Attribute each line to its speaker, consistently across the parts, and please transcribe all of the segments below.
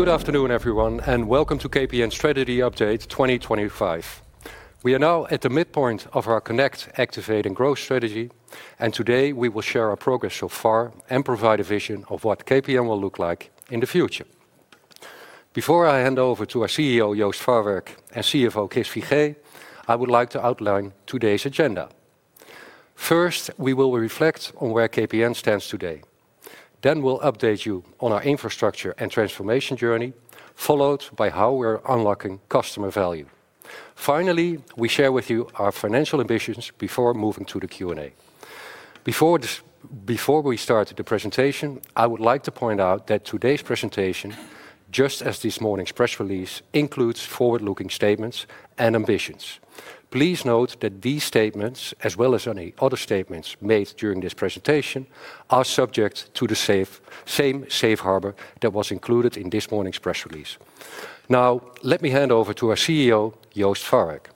Speaker 1: Good afternoon everyone and welcome to KPN Strategy Update 2025. We are now at the midpoint of our Connect, Activate, and Growth strategy. Today we will share our progress so far and provide a vision of what KPN will look like in the future. Before I hand over to our CEO Joost Farwerck and CFO Chris Figee, I would like to outline today's agenda. First, we will reflect on where KPN stands today. We will update you on our infrastructure and transformation journey, followed by how we're unlocking customer value. Finally, we share with you our financial ambitions before moving to the Q&A. Before we start the presentation, I would like to point out that today's presentation, just as this morning's press release, includes forward looking statements and ambitions. Please note that these statements as well as any other statements made during this presentation are subject to the same safe harbor that was included in this morning's press release. Now let me hand over to our CEO Joost Farwerck.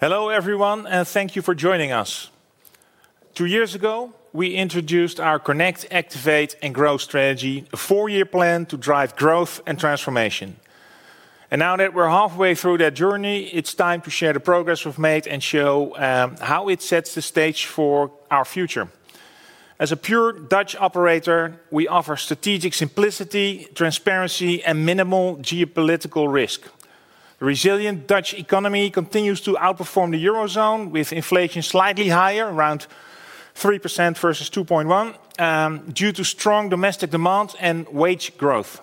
Speaker 2: Hello everyone and thank you for joining us. Two years ago we introduced our Connect, Activate, and Grow strategy, a four year plan to drive growth and transformation. Now that we're halfway through that journey, it's time to share the progress we've made and show how it sets the stage for our future. As a pure Dutch operator, we offer strategic simplicity, transparency and minimal geopolitical risk. The resilient Dutch economy continues to outperform the Eurozone, with inflation slightly higher around 3% versus 2.1% due to strong domestic demand and wage growth.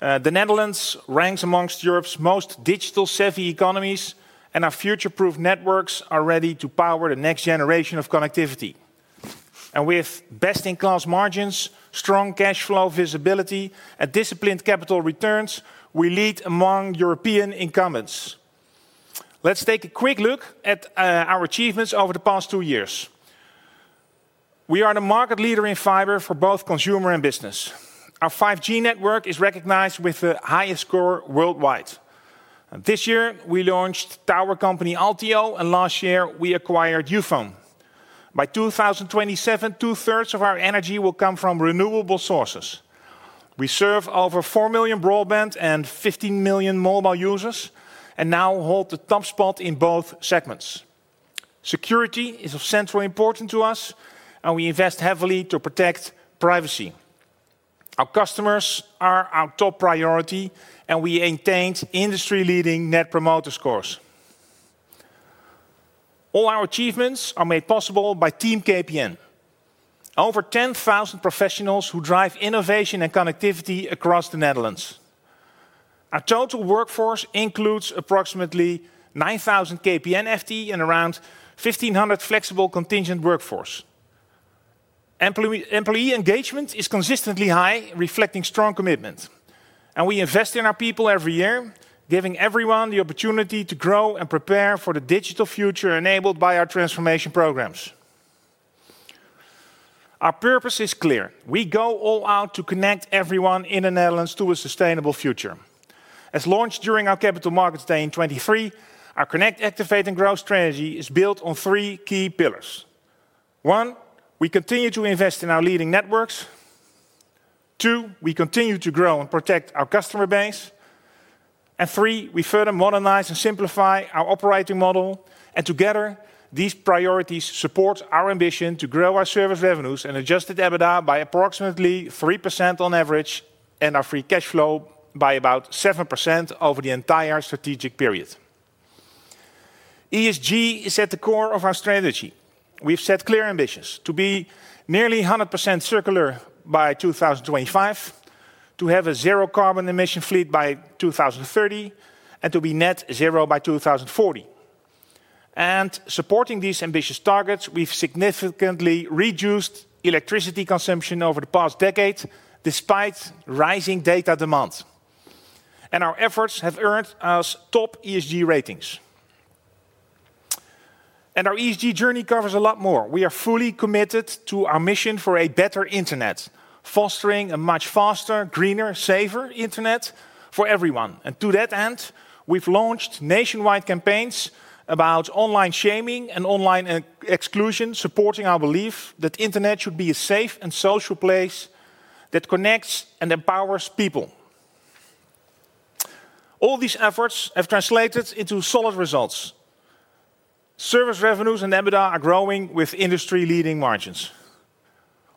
Speaker 2: The Netherlands ranks amongst Europe's most digital savvy economies and our future proof networks are ready to power the next generation of connectivity. With best in class margins, strong cash flow, visibility and disciplined capital returns, we lead among European incumbents. Let's take a quick look at our achievements over the past two years. We are the market leader in fiber for both consumer and business. Our 5G network is recognized with the highest score worldwide. This year we launched tower company Altio and last year we acquired Youfone. By 2027, 2/3 of our energy will come from renewable sources. We serve over 4 million broadband and 15 million mobile users and now hold the top spot in both segments. Security is of central importance to us and we invest heavily to protect privacy. Our customers are our top priority and we maintain industry-leading net promoter scores. All our achievements are made possible by Team KPN, over 10,000 professionals who drive innovation and connectivity across the Netherlands. Our total workforce includes approximately 9,000 KPN FT and around 1,500 flexible contingent workforce. Employee engagement is consistently high, reflecting strong commitment, and we invest in our people every year, giving everyone the opportunity to grow and prepare for the digital future enabled by our transformation programs. Our purpose is clear. We go all out to connect everyone in the Netherlands to a sustainable future. As launched during our Capital Markets Day in 2023, our Connect, Activate, and Grow strategy is built on three key pillars. One, we continue to invest in our leading networks. Two, we continue to grow and protect our customer base. Three, we further modernize and simplify our operating model, and together these priorities support our ambition to grow our service revenues and adjusted EBITDA by approximately 3% on average and our free cash flow by about 7% over the entire strategic period. ESG is at the core of our strategy. We've set clear ambitions to be nearly 100% circular by 2025, to have a zero carbon emission fleet by 2030, and to be net zero by 2040. Supporting these ambitious targets, we've significantly reduced electricity consumption over the past decade despite rising data demand, and our efforts have earned us top ESG ratings. Our ESG journey covers a lot more. We are fully committed to our mission for a better Internet, fostering a much faster, greener, safer Internet for everyone. To that end, we have launched nationwide campaigns about online shaming and online exclusion, supporting our belief that Internet should be a safe and social place that connects and empowers people. All these efforts have translated into solid results. Service revenues and EBITDA are growing with industry-leading margins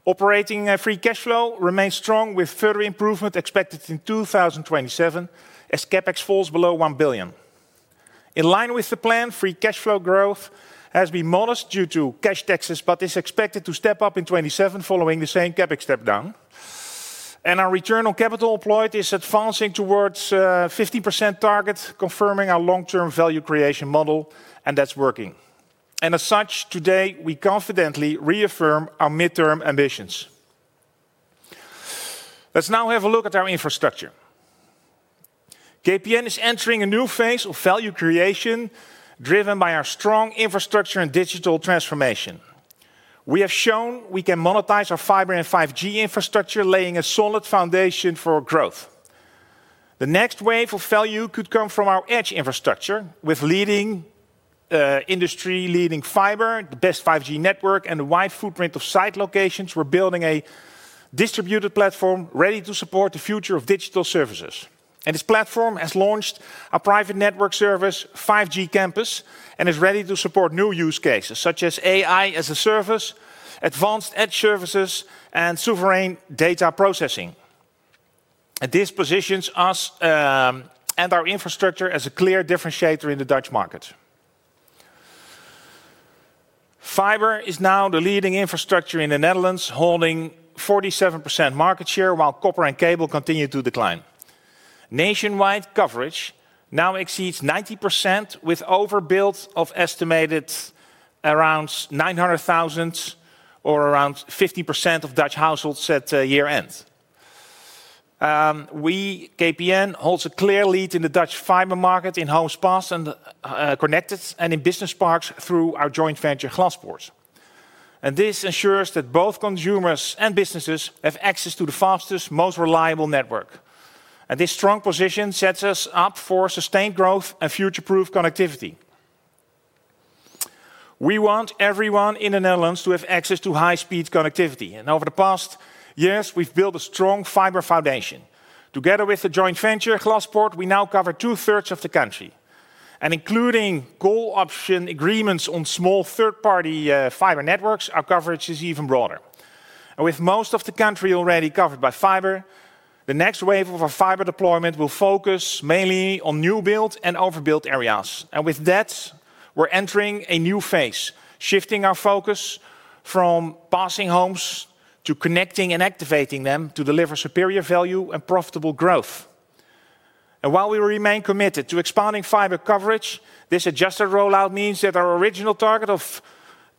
Speaker 2: operating. Free cash flow remains strong with further improvement expected in 2027 as CapEx falls below 1 billion. In line with the plan, free cash flow growth has been modest due to cash taxes, but is expected to step up in 2027 following the same CapEx step down and our return on capital employed is advancing towards 15% target, confirming our long-term value creation model and that is working. As such, today we confidently reaffirm our mid term ambitions. Let's now have a look at our infrastructure. KPN is entering a new phase of value creation driven by our strong infrastructure and digital transformation. We have shown we can monetize our fiber and 5G infrastructure, laying a solid foundation for growth. The next wave of value could come from our edge infrastructure. With industry-leading fiber, the best 5G network, and the wide footprint of site locations, we're building a distributed platform ready to support the future of digital services. This platform has launched a private network service, 5G Campus, and is ready to support new use cases such as AI as a Service, advanced edge services, and sovereign data processing. This positions us and our infrastructure as a clear differentiator in the Dutch market. Fiber is now the leading infrastructure in the Netherlands holding 47% market share, while copper and cable continue to decline. Nationwide coverage now exceeds 90%, with overbuilds of estimated around 900,000 or around 50% of Dutch households. At year end, we, KPN, hold a clear lead in the Dutch fiber market in homes passed, connected, and in business parks through our joint venture Glaspoort. This ensures that both consumers and businesses have access to the fastest, most reliable network. This strong position sets us up for sustained growth and future-proof connectivity. We want everyone in the Netherlands to have access to high-speed connectivity. Over the past years, we have built a strong fiber foundation. Together with the joint venture Glaspoort, we now cover 2/3 of the country, and including co-option agreements on small third-party fiber networks, our coverage is even broader. With most of the country already covered by fiber, the next wave of our fiber deployment will focus mainly on new build and overbuilt areas. With that, we're entering a new phase, shifting our focus from passing homes to connecting and activating them to deliver superior value and profitable growth. While we remain committed to expanding fiber coverage, this adjusted rollout means that our original target of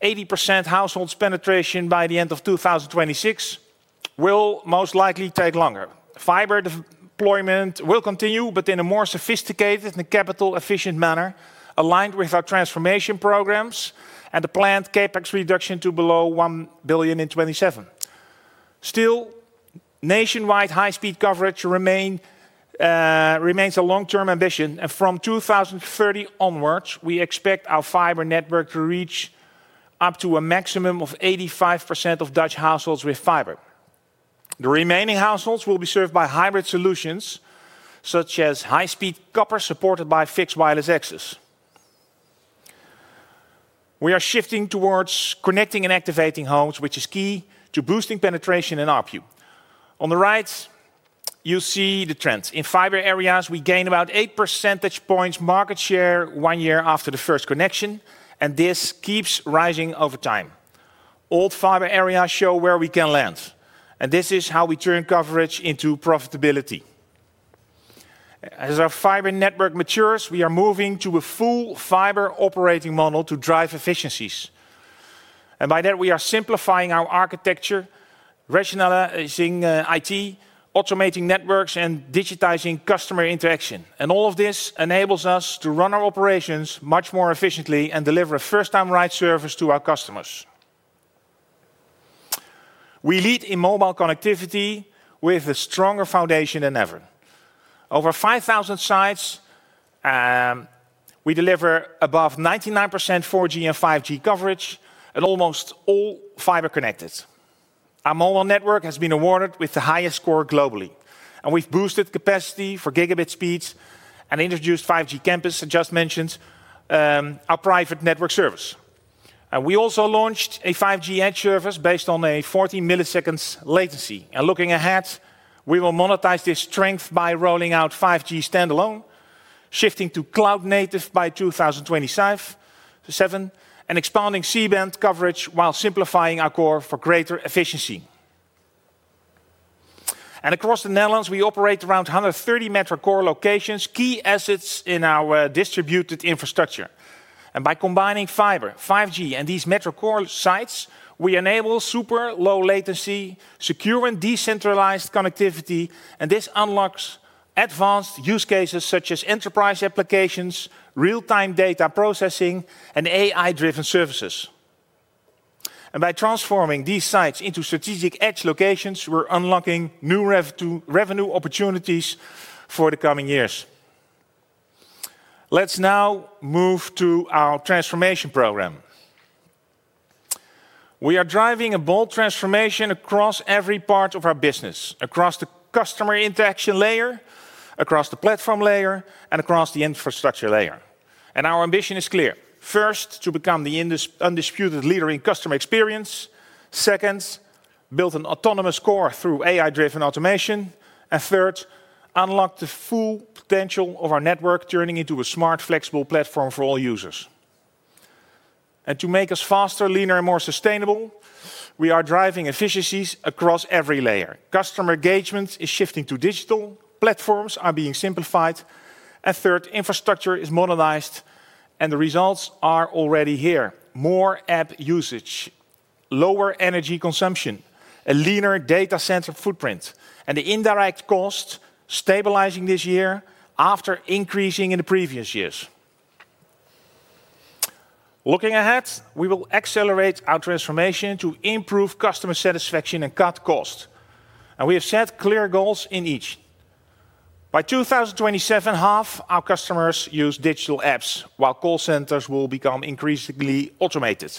Speaker 2: 80% household penetration by the end of 2026 will most likely take longer. Fiber deployment will continue, but in a more sophisticated and capital efficient manner aligned with our transformation programs and the planned CapEx reduction to below 1 billion in 2027. Still, nationwide high speed coverage remains a long term ambition. From 2030 onwards, we expect our fiber network to reach up to a maximum of 85% of Dutch households with fiber. The remaining households will be served by hybrid solutions such as high speed copper supported by fixed wireless access. We are shifting towards connecting and activating homes, which is key to boosting penetration in ARPU. On the right you see the trend in fiber areas. We gain about 8 percentage points market share one year after the first connection, and this keeps rising over time. Old fiber areas show where we can land, and this is how we turn coverage into profitability. As our fiber network matures, we are moving to a full fiber operating model to drive efficiencies. By that we are simplifying our architecture, rationalizing it, automating networks, and digitizing customer interaction. All of this enables us to run our operations much more efficiently and deliver a first time right service to our customers. We lead in mobile connectivity with a stronger foundation than ever. Over 5,000 sites we deliver above 99% 4G and 5G coverage and almost all fiber connected. Our mobile network has been awarded with the highest score globally and we've boosted capacity for gigabit speeds and introduced 5G Campus. I just mentioned our private network service. We also launched a 5G edge service based on a 40 ms latency and looking ahead, we will monetize this strength by rolling out 5G standalone, shifting to cloud native by 2027 and expanding C band coverage while simplifying our core for greater efficiency. Across the Netherlands we operate around 130 metro core locations, key assets in our distributed infrastructure. By combining fiber, 5G, and these metro core sites we enable super low latency, secure and decentralized connectivity and this unlocks advanced use cases such as enterprise applications, real time data processing, and AI driven services. By transforming these sites into strategic edge locations, we're unlocking new revenue opportunities for the coming years. Let's now move to our transformation program. We are driving a bold transformation across every part of our business. Across the customer interaction layer, across the platform layer, and across the infrastructure layer. Our ambition is clear. First, to become the undisputed leader in customer experience. Second, build an autonomous core through AI-driven automation, and third, unlock the full potential of our network, turning it into a smart, flexible platform for all users. To make us faster, leaner, and more sustainable, we are driving efficiencies across every layer. Customer engagement is shifting to digital, platforms are being simplified, and infrastructure is modernized, and the results are already here. More app usage, lower energy consumption, a leaner data center footprint, and the indirect cost stabilizing this year after increasing in the previous years. Looking ahead, we will accelerate our transformation to improve customer satisfaction and cut cost, and we have set clear goals in each. By 2027, half our customers use digital apps while call centers will become increasingly automated.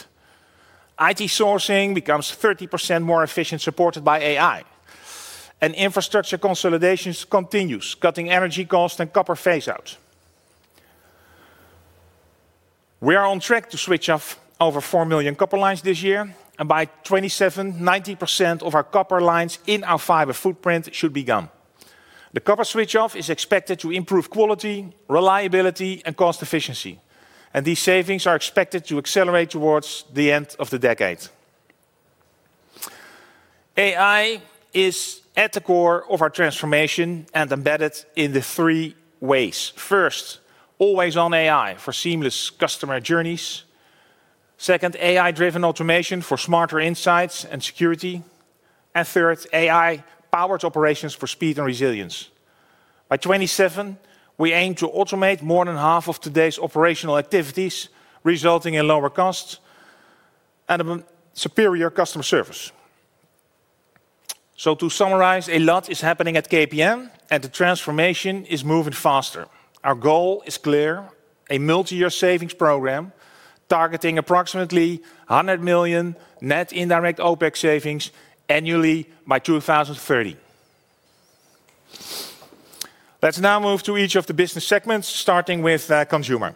Speaker 2: IT sourcing becomes 30% more efficient, supported by AI, and infrastructure consolidations continues cutting energy costs and copper phaseouts. We are on track to switch off over 4 million copper lines this year, and by 2027, 90% of our copper lines in our fiber footprint should be gone. The copper switch off is expected to improve quality, reliability, and cost efficiency, and these savings are expected to accelerate towards the end of the decade. AI is at the core of our transformation and embedded in three ways. First, always-on AI for seamless customer journeys. Second, AI-driven automation for smarter insights and security, and third, AI-powered operations for speed and resilience. By 2027 we aim to automate more than half of today's operational activities, resulting in lower costs and superior customer service. To summarize, a lot is happening at KPN and the transformation is moving faster. Our goal is clear, a multi-year savings program targeting approximately 100 million net indirect OpEx savings annually by 2030. Let's now move to each of the business segments, starting with Consumer.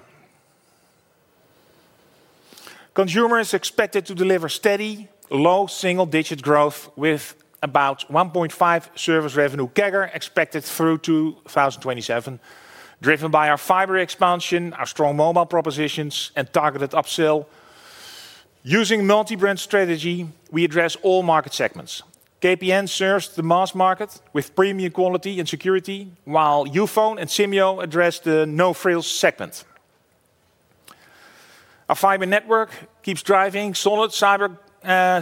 Speaker 2: Consumer is expected to deliver steady low single-digit growth with about 1.5% service revenue CAGR expected through 2027, driven by our fiber expansion, our strong mobile propositions, and targeted upsell. Using a multi-brand strategy, we address all market segments. KPN serves the mass market with premium quality and security while Youfone and Simyo address the no frills segment. Our fiber network keeps driving solid fiber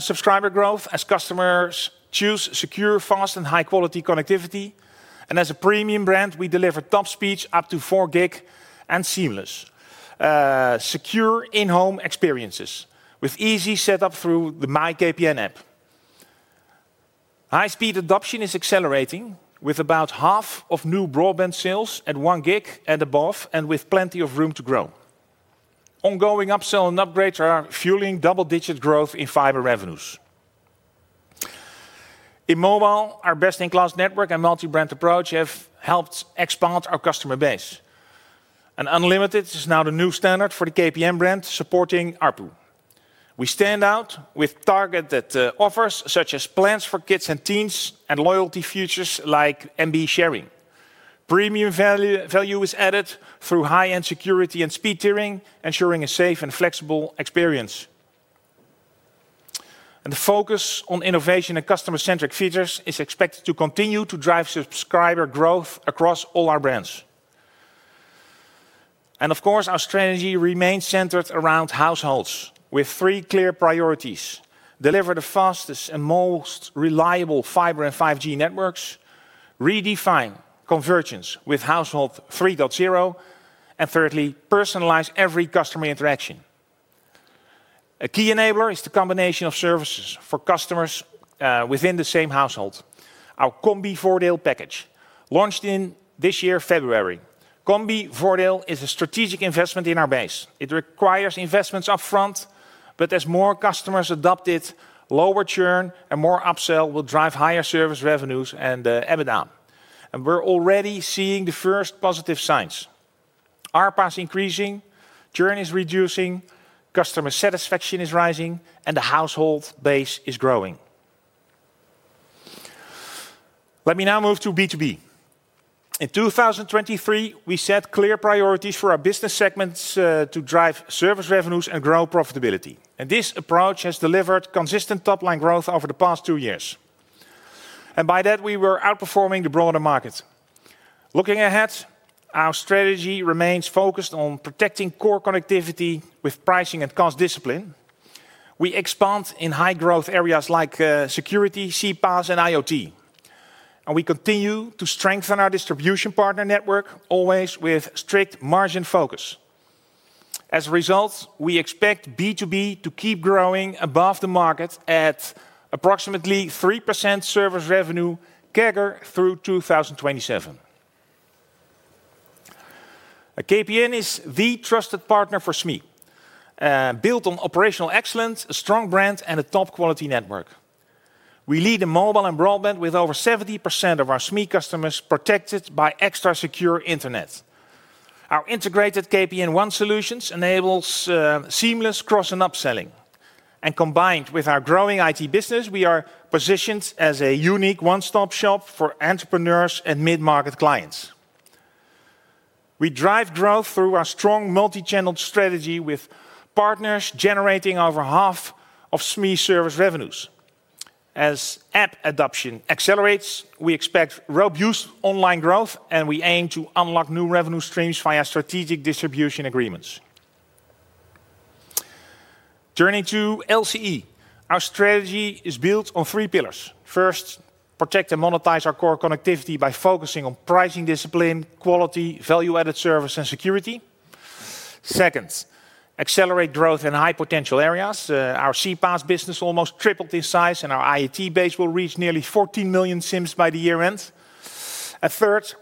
Speaker 2: subscriber growth as customers choose secure, fast and high quality connectivity. As a premium brand we deliver top speeds up to 4 gig seamless secure in home experiences with easy setup through the mijnKPN app. High speed adoption is accelerating with about half of new broadband sales at 1 gb and above and with plenty of room to grow. Ongoing upsell and upgrades are fueling double digit growth in fiber revenues in mobile. Our best in class network and multi brand approach have helped expand our customer base and unlimited is now the new standard for the KPN brand, supporting ARPU. We stand out with targeted offers such as plans for kids and teens and loyalty features like MB sharing. Premium value is added through high-end security and speed tiering, ensuring a safe and flexible experience. The focus on innovation and customer-centric features is expected to continue to drive subscriber growth across all our brands. Our strategy remains centered around households with three clear priorities. Deliver the fastest and most reliable fiber and 5G networks, redefine convergence with household 3.0, and thirdly personalize every customer interaction. A key enabler is the combination of services for customers within the same household. Our Combivoordeel package launched in this year February. Combivoordeel is a strategic investment in our base. It requires investments upfront but as more customers adopt it, lower churn and more upsell will drive higher service revenues and EBITDA. We are already seeing the first positive signs. ARPA is increasing, churn is reducing, customer satisfaction is rising, and the household base is growing. Let me now move to B2B. In 2023, we set clear priorities for our business segments to drive service revenues and grow profitability, and this approach has delivered consistent top line growth over the past two years. By that, we were outperforming the broader market. Looking ahead, our strategy remains focused on protecting core connectivity with pricing and cost discipline. We expand in high growth areas like security, CPaaS, and IoT, and we continue to strengthen our distribution partner network, always with strict margin focus. As a result, we expect B2B to keep growing above the market at approximately 3% service revenue CAGR through 2027. KPN is the trusted partner for SME, built on operational excellence, a strong brand, and a top quality network. We lead in mobile and broadband with over 70% of our SME customers protected by extra secure Internet. Our integrated KPN [One] solutions enables seamless cross and upselling, and combined with our growing IT business, we are positioned as a unique one stop shop for entrepreneurs and mid market clients. We drive growth through our strong multi channel strategy, with partners generating over half of SME service revenues. As app adoption accelerates, we expect robust online growth, and we aim to unlock new revenue streams via strategic distribution agreements. Turning to LTE, our strategy is built on three pillars. First, protect and monetize our core connectivity by focusing on pricing discipline, quality, value added service, and security. Second, accelerate growth in high potential areas. Our CPaaS business almost tripled in size, and our IoT base will reach nearly 14 million SIMs by the year end. Third,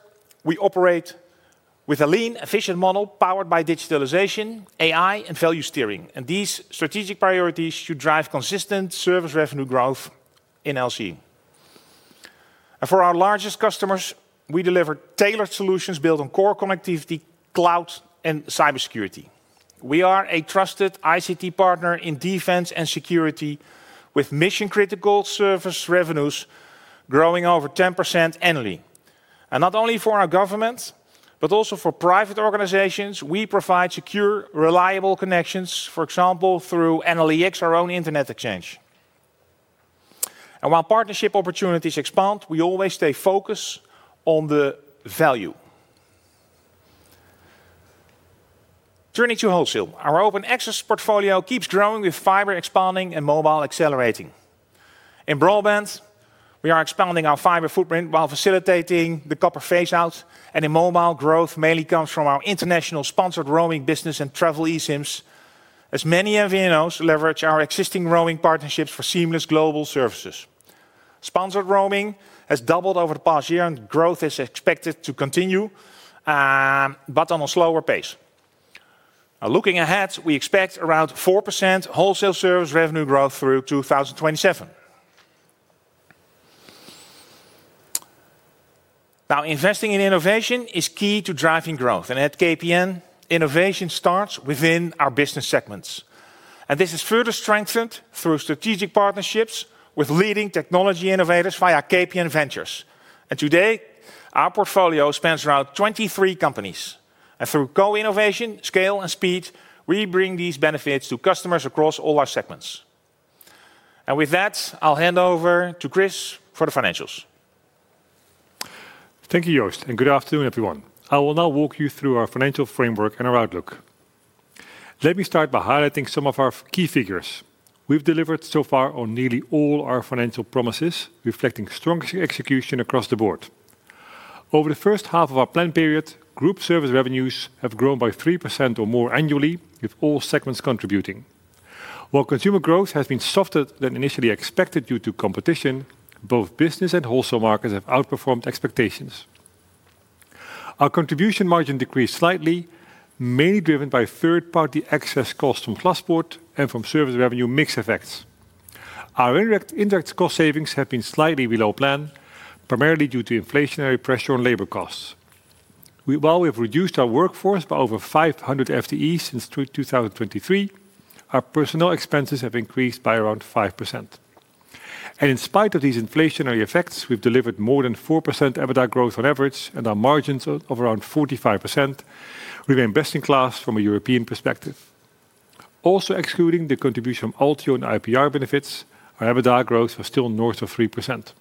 Speaker 2: we operate with a lean efficient model powered by digitalization, AI and value steering, and these strategic priorities should drive consistent service revenue growth in LC. For our largest customers, we deliver tailored solutions built on core connectivity, cloud, and cybersecurity. We are a trusted ICT partner in defense and security with mission critical service revenues growing over 10% annually, and not only for our government but also for private organizations. We provide secure reliable connections, for example through NL-ix, our own Internet Exchange. While partnership opportunities expand, we always stay focused on the value turning to wholesale. Our open access portfolio keeps growing with fiber expanding and mobile accelerating. In broadband, we are expanding our fiber footprint while facilitating the copper phase out. In mobile, growth mainly comes from our international sponsored roaming business and travel eSIMs as many MVNOs leverage our existing roaming partnerships for seamless global services. Sponsored roaming has doubled over the past year and growth is expected to continue but at a slower pace. Looking ahead, we expect around 4% wholesale service revenue growth through 2027. Now, investing in innovation is key to driving growth and at KPN, innovation starts within our business segments. This is further strengthened through strategic partnerships with leading technology innovators via KPN Ventures. Today, our portfolio spans around 23 companies and through co-innovation, scale, and speed, we bring these benefits to customers across all our segments. With that, I'll hand over to Chris for the financials.
Speaker 3: Thank you Joost and good afternoon everyone. I will now walk you through our financial framework and our outlook. Let me start by highlighting some of our key figures. We've delivered so far on nearly all our financial promises, reflecting strong execution across the board. Over the first half of our plan period, group service revenues have grown by 3% or more annually with all segments contributing. While consumer growth has been softer than initially expected due to competition, both business and wholesale markets have outperformed expectations. Our contribution margin decreased slightly, mainly driven by third party excess costs from Glaspoort and from service revenue mix effects. Our indirect cost savings have been slightly below plan, primarily due to inflationary pressure on labor costs. While we have reduced our workforce by over 500 FTEs since 2023, our personnel expenses have increased by around 5%. In spite of these inflationary effects, we've delivered more than 4% EBITDA growth on average and our margins of around 45% remain best in class from a European perspective. Also excluding the contribution from Altio and IPR benefits, our EBITDA growth was still north of 3%.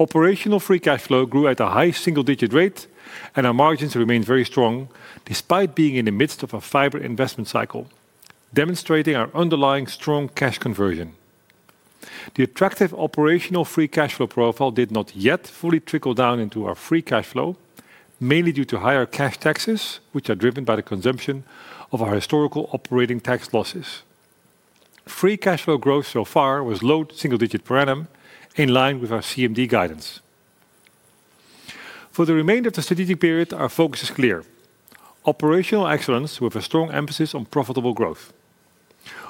Speaker 3: Operational free cash flow grew at a high single digit rate and our margins remained very strong despite being in the midst of a fiber investment cycle, demonstrating our underlying strong cash conversion. The attractive operational free cash flow profile did not yet fully trickle down into our free cash flow, mainly due to higher cash taxes which are driven by the consumption of our historical operating tax losses. Free cash flow growth so far was low single digit per annum in line with our CMD guidance. For the remainder of the strategic period, our focus is clear, operational excellence with a strong emphasis on profitable growth.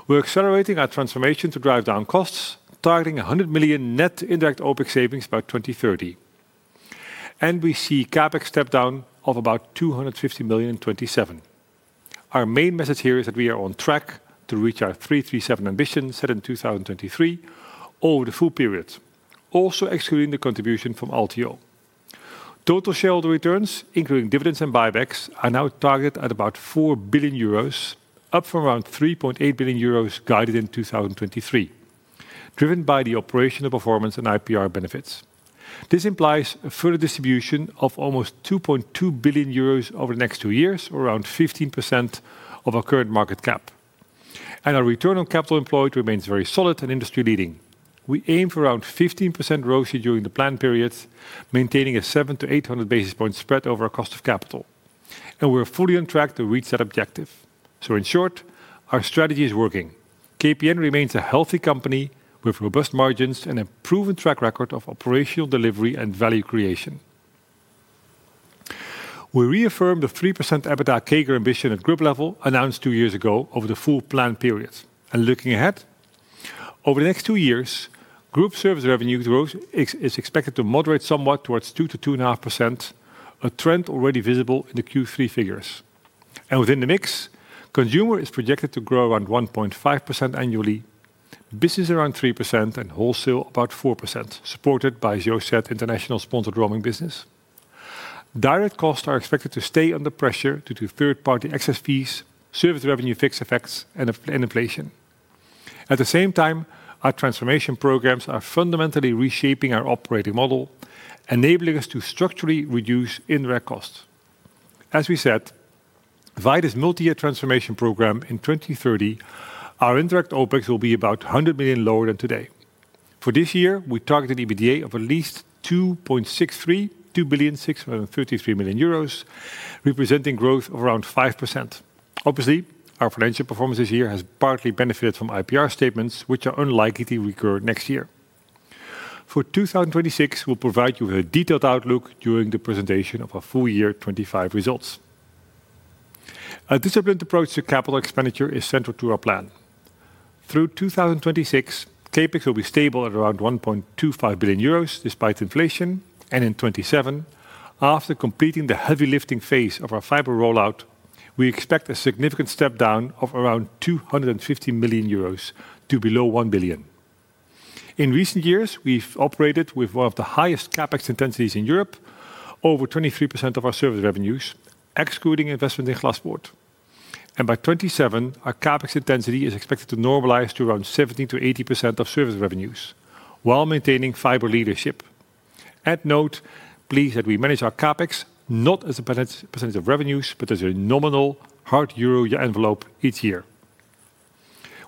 Speaker 3: We're accelerating our transformation to drive down costs, targeting 100 million net indirect OpEx savings by 2030, and we see CapEx step down of about 250 million in 2027. Our main message here is that we are on track to reach our [pre-set] ambitions set in 2023 over the full period. Also, excluding the contribution from Altio, total shareholder returns including dividends and buybacks are now targeted at about 4 billion euros, up from around 3.8 billion euros guided in 2023. Driven by the operational performance and IPR benefits, this implies a further distribution of almost 2.2 billion euros over the next two years, or around 15% of our current market cap, and our return on capital employed remains very solid and industry leading. We aim for around 15% ROI during the planned periods, maintaining a 700-800 basis point spread over our cost of capital and we are fully on track to reach that objective. In short, our strategy is working. KPN remains a healthy company with robust margins and a proven track record of operational delivery and value creation. We reaffirmed the 3% EBITDA CAGR ambition at group level announced two years ago over the full plan period. Looking ahead over the next two years, group service revenue growth is expected to moderate somewhat towards 2%-2.5%, a trend already visible in the Q3 figures. Within the mix, consumer is projected to grow around 1.5% annually, business around 3%, and wholesale about 4% supported by [Joset International] sponsored roaming business. Direct costs are expected to stay under pressure due to third party excess fees, service revenue, fixed effects, and inflation. At the same time, our transformation programs are fundamentally reshaping our operating model, enabling us to structurally reduce indirect costs. As we said via multi year transformation program, in 2030 our indirect OpEx will be about 100 million lower than today. For this year we targeted EBITDA of at least 2,633,000,000 euros, representing growth of around 5%. Obviously, our financial performance this year has partly benefited from IPR statements which are unlikely to recur next year. For 2026, we will provide you with a detailed outlook during the presentation of our full year 2025 results. A disciplined approach to capital expenditure is central to our plan. Through 2026 CapEx will be stable at around 1.25 billion euros despite inflation, and in 2027. After completing the heavy lifting phase of our fiber rollout, we expect a significant step down of around 250 million euros to below 1 billion. In recent years we've operated with one of the highest CapEx intensities in Europe, over 23% of our service revenues excluding investment in Glaspoort, and by 2027 our CapEx intensity is expected to normalize to around 17%-18% of service revenues while maintaining fiber leadership. Add note please that we manage our CapEx not as a percentage of revenues but as a nominal hard euro year envelope each year.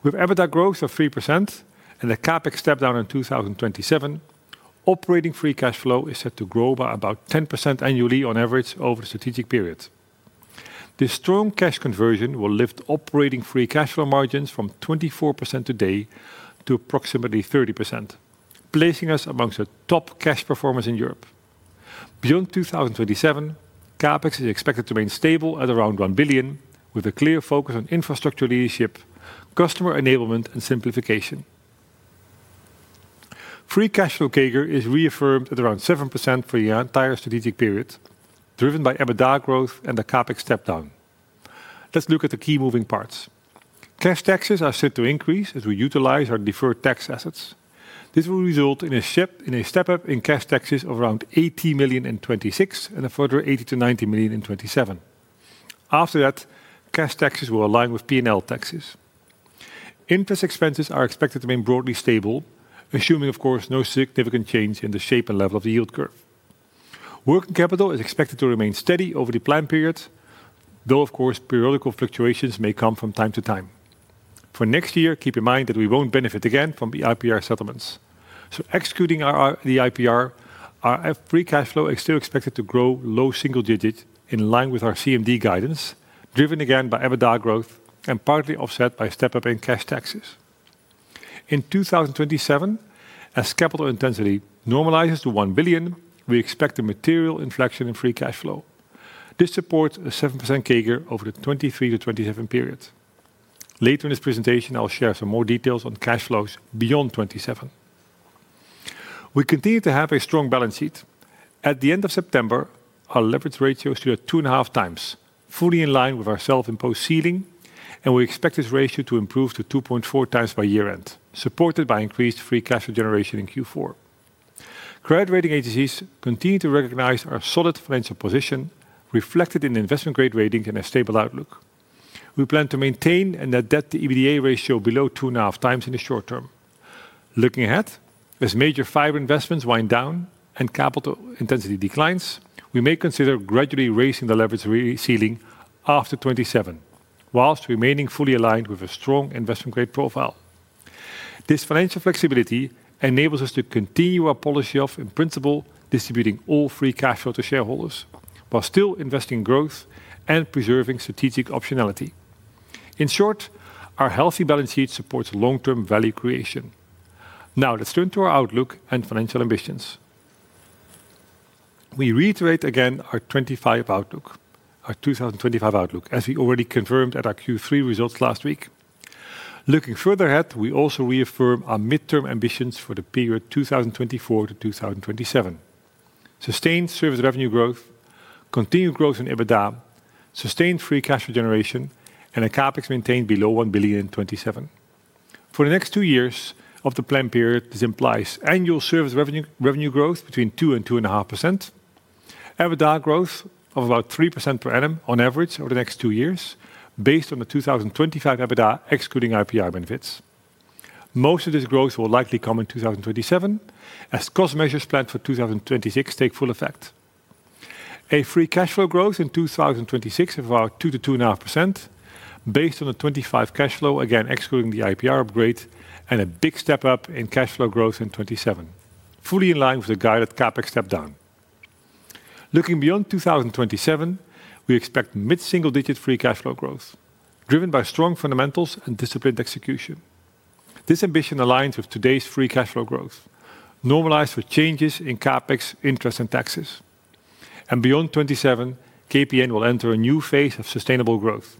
Speaker 3: With EBITDA growth of 3% and the CapEx step down in 2027, operating free cash flow is set to grow by about 10% annually on average over the strategic period. This strong cash conversion will lift operating free cash flow margins from 24% today to approximately 30%, placing us amongst the top cash performers in Europe. Beyond 2027, CapEx is expected to remain stable at around 1 billion, with a clear focus on infrastructure leadership, customer enablement, and simplification. Free cash flow CAGR is reaffirmed at around 7% for the entire strategic period driven by EBITDA growth and the CapEx step down. Let's look at the key moving parts. Cash taxes are set to increase as we utilize our deferred tax assets. This will result in a step up in cash taxes of around 80 million in 2026 and a further 80 million-90 million in 2027. After that, cash taxes will align with P&L taxes. Interest expenses are expected to remain broadly stable assuming of course no significant change in the shape and level of the yield curve. Working capital is expected to remain steady over the planned period, though of course periodical fluctuations may come from time to time. For next year, keep in mind that we will not benefit again from the IPR settlements, so executing the IPR, our free cash flow is still expected to grow low single digit in line with our CMD guidance, driven again by EBITDA growth and partly offset by step up in cash taxes. In 2027, as capital intensity normalizes to 1 billion, we expect a material inflection in free cash flow. This supports a 7% CAGR over the 2023-2027 period. Later in this presentation I will share some more details on cash flows beyond 2027. We continue to have a strong balance sheet. At the end of September our leverage ratio stood at 2.5x, fully in line with our self-imposed ceiling, and we expect this ratio to improve to 2.4x by year end, supported by increased free cash flow generation in Q4. Credit rating agencies continue to recognize our solid financial position, reflected in investment grade ratings and a stable outlook. We plan to maintain a net debt to EBITDA ratio below 2.5x in the short term. Looking ahead, as major fiber investments wind down and capital intensity declines, we may consider gradually raising the leverage ceiling after 2027 whilst remaining fully aligned with a strong investment grade profile. This financial flexibility enables us to continue our policy of in principle distributing all free cash flow to shareholders while still investing in growth and preserving strategic optionality. In short, our healthy balance sheet supports long term value creation. Now let's turn to our outlook and financial ambitions. We reiterate again our 2025 outlook. Our 2025 outlook as we already confirmed at our Q3 results last week. Looking further ahead, we also reaffirm our mid term ambitions for the period 2024-2027. Sustained service revenue growth, continued growth in EBITDA, sustained free cash regeneration and a CapEx maintained below 1 billion in 2027 for the next two years of the planned period. This implies annual service revenue growth between 2% and 2.5%, EBITDA growth of about 3% per annum on average over the next two years based on the 2025 EBITDA excluding IPR benefits. Most of this growth will likely come in 2027 as cost measures planned for 2026 take full effect. A free cash flow growth in 2026 of about 2%-2.5% based on the 25% cash flow, again excluding the IPR upgrade and a big step up in cash flow growth in 2027 fully in line with the guided CapEx step down. Looking beyond 2027, we expect mid single digit free cash flow growth driven by strong fundamentals and disciplined execution. This ambition aligns with today's free cash flow growth normalized for changes in CapEx, interest, and taxes. Beyond 2027, KPN will enter a new phase of sustainable growth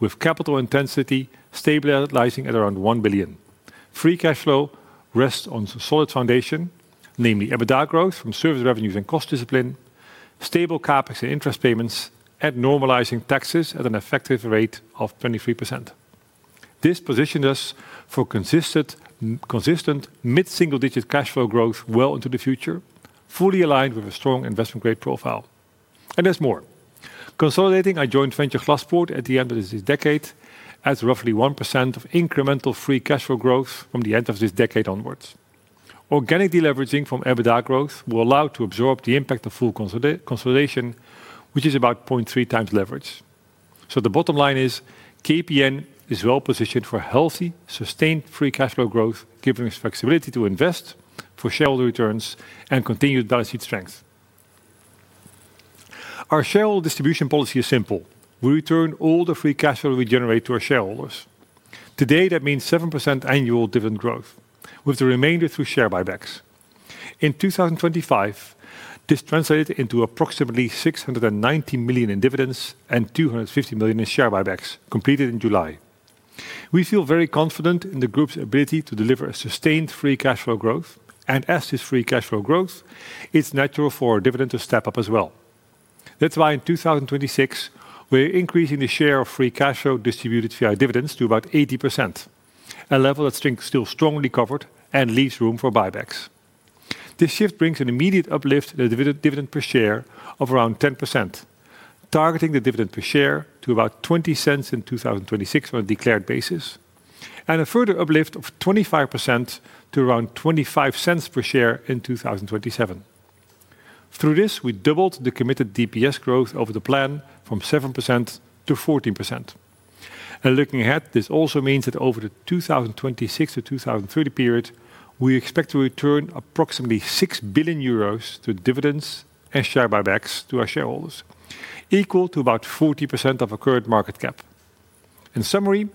Speaker 3: with capital intensity stabilizing at around 1 billion. Free cash flow rests on solid foundation, namely EBITDA growth from service revenues and cost discipline, stable CapEx and interest payments, and normalizing taxes at an effective rate of 23%. This positioned us for consistent mid single digit cash flow growth well into the future, fully aligned with a strong investment grade profile. There is more. Consolidating, I joined venture Glaspoort at the end of this decade as roughly 1% of incremental free cash flow growth. From the end of this decade onwards, organic deleveraging from EBITDA growth will allow to absorb the impact of full consolidation which is about 0.3x leverage. The bottom line is KPN is well positioned for healthy sustained free cash flow growth, giving us flexibility to invest for shareholder returns and continued balance sheet strength. Our shareholder distribution policy is simple. We return all the free cash flow we generate to our shareholders. Today that means 7% annual dividend growth with the remainder through share buybacks. In 2025, this translated into approximately 690 million in dividends and 250 million in share buybacks completed in July. We feel very confident in the group's ability to deliver a sustained free cash flow growth and as this free cash flow grows, it's natural for dividend to step up as well. That is why in 2026 we are increasing the share of free cash flow distributed via dividends to about 80%, a level that is still strongly covered and leaves room for buybacks. This shift brings an immediate uplift in the dividend per share of around 10%, targeting the dividend per share to about 0.20 in 2026 on a declared basis and a further uplift of 25% to around 0.25 per share in 2027. Through this, we doubled the committed DPS growth over the plan from 7% to 14%. Looking ahead, this also means that over the 2026-2030 period, we expect to return approximately 6 billion euros to dividends and share buybacks to our shareholders, equal to about 40% of our current market cap. In summary,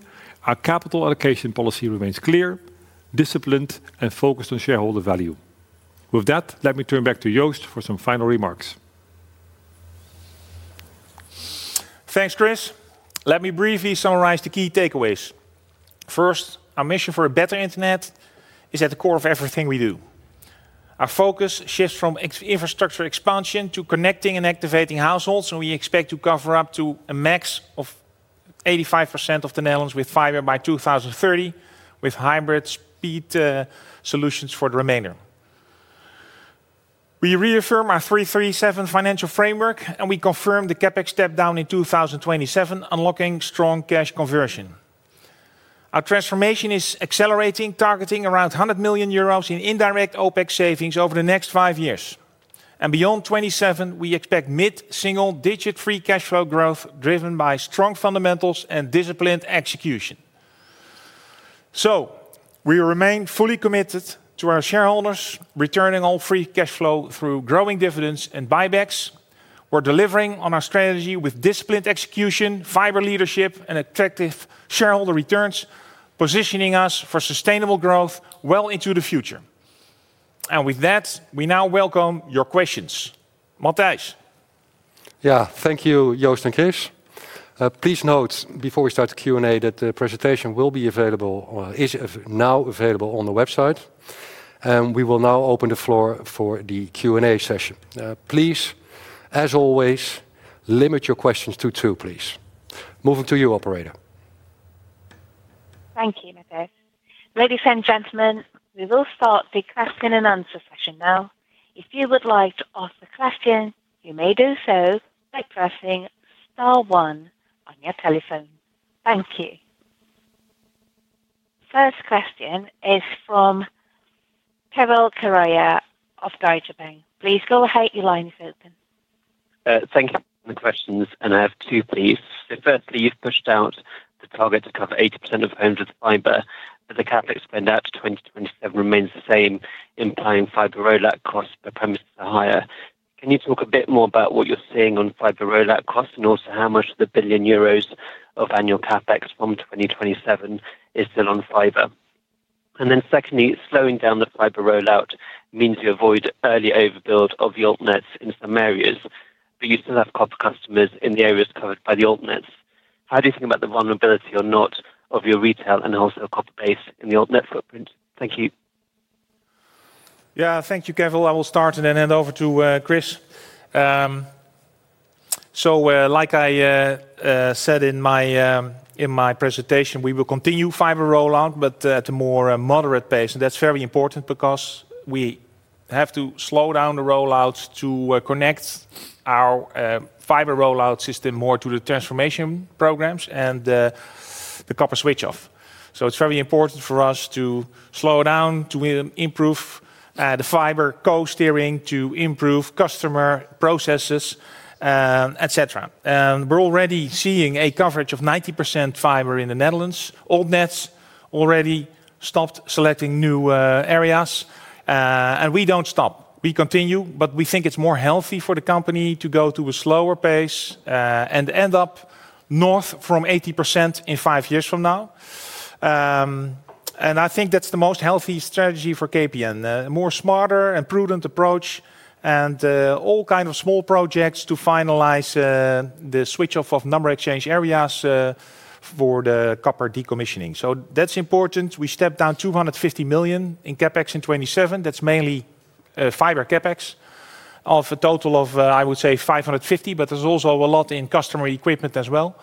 Speaker 3: our capital allocation policy remains clear, disciplined, and focused on shareholder value. With that, let me turn back to Joost for some final remarks.
Speaker 2: Thanks, Chris. Let me briefly summarize the key takeaways. First, our mission for a better Internet is at the core of everything we do. Our focus shifts from infrastructure expansion to connecting and activating households. We expect to cover up to a max of 85% of the Netherlands with fiber by 2030 with hybrid speed solutions for the remainder. We reaffirm our 3/3/7 financial framework and we confirmed the CapEx step down in 2027, unlocking strong cash conversion. Our transformation is accelerating, targeting around 100 million euros in indirect OpEx savings over the next five years and beyond 2017 we expect mid single digit free cash flow growth driven by strong fundamentals and disciplined execution. We remain fully committed to our shareholders returning all free cash flow through growing dividends and buybacks. We're delivering on our strategy with disciplined execution, fiber leadership, and attractive shareholder returns, positioning us for sustainable growth well into the future. With that, we now welcome your questions. Matthijs?
Speaker 1: Yeah, thank you Joost and Kees. Please note before we start the Q&A that the presentation is now available on the website and we will now open the floor for the Q&A session. Please, as always, limit your questions to two, please. Moving to you, operator.
Speaker 4: Thank you, Matthijs. Ladies and gentlemen, we will start the question and answer session now. If you would like to ask a question, you may do so by pressing Star one on your telephone. Thank you. First question is from Keval Khiroya of Deutsche Bank. Please go ahead, your line is open.
Speaker 5: Thank you for the questions and I have two please. Firstly, you've pushed out the target to cover 80% of homes with fiber. The CapEx spend out to 2027 remains the same, implying fiber rollout costs per premises are higher. Can you talk a bit more about what you're seeing on fiber rollout costs and also how much the 1 billion euros of annual CapEx from 2027 is still on fiber. Secondly slowing down the fiber rollout means you avoid early overbuild of the altnets in some areas, but you still have copper customers in the areas covered by the altnets. How do you think about the vulnerability or not of your retail and also copper base in the altnet footprint? Thank you.
Speaker 2: Yeah, thank you, Keval. I will start and then hand over to Chris. Like I said in my presentation, we will continue fiber rollout but at a more moderate pace. That is very important because we have to slow down the rollouts to connect our fiber rollout system more to the transformation programs and the copper switch off. It is very important for us to slow down to improve the fiber co-steering, to improve customer processes, etc. We are already seeing a coverage of 90% fiber in the Netherlands. Altnets already stopped selecting new areas and we do not stop, we continue. We think it is more healthy for the company to go to a slower pace and end up north from 80% in five years from now. I think that is the most healthy strategy for KPN. More smarter and prudent approach and all kind of small projects to finalize the switch off of number exchange areas for the copper decommissioning. That is important. We stepped down 250 million in CapEx in 2027. That is mainly fiber CapEx of a total of, I would say, 550 million. There is also a lot in customer equipment as well.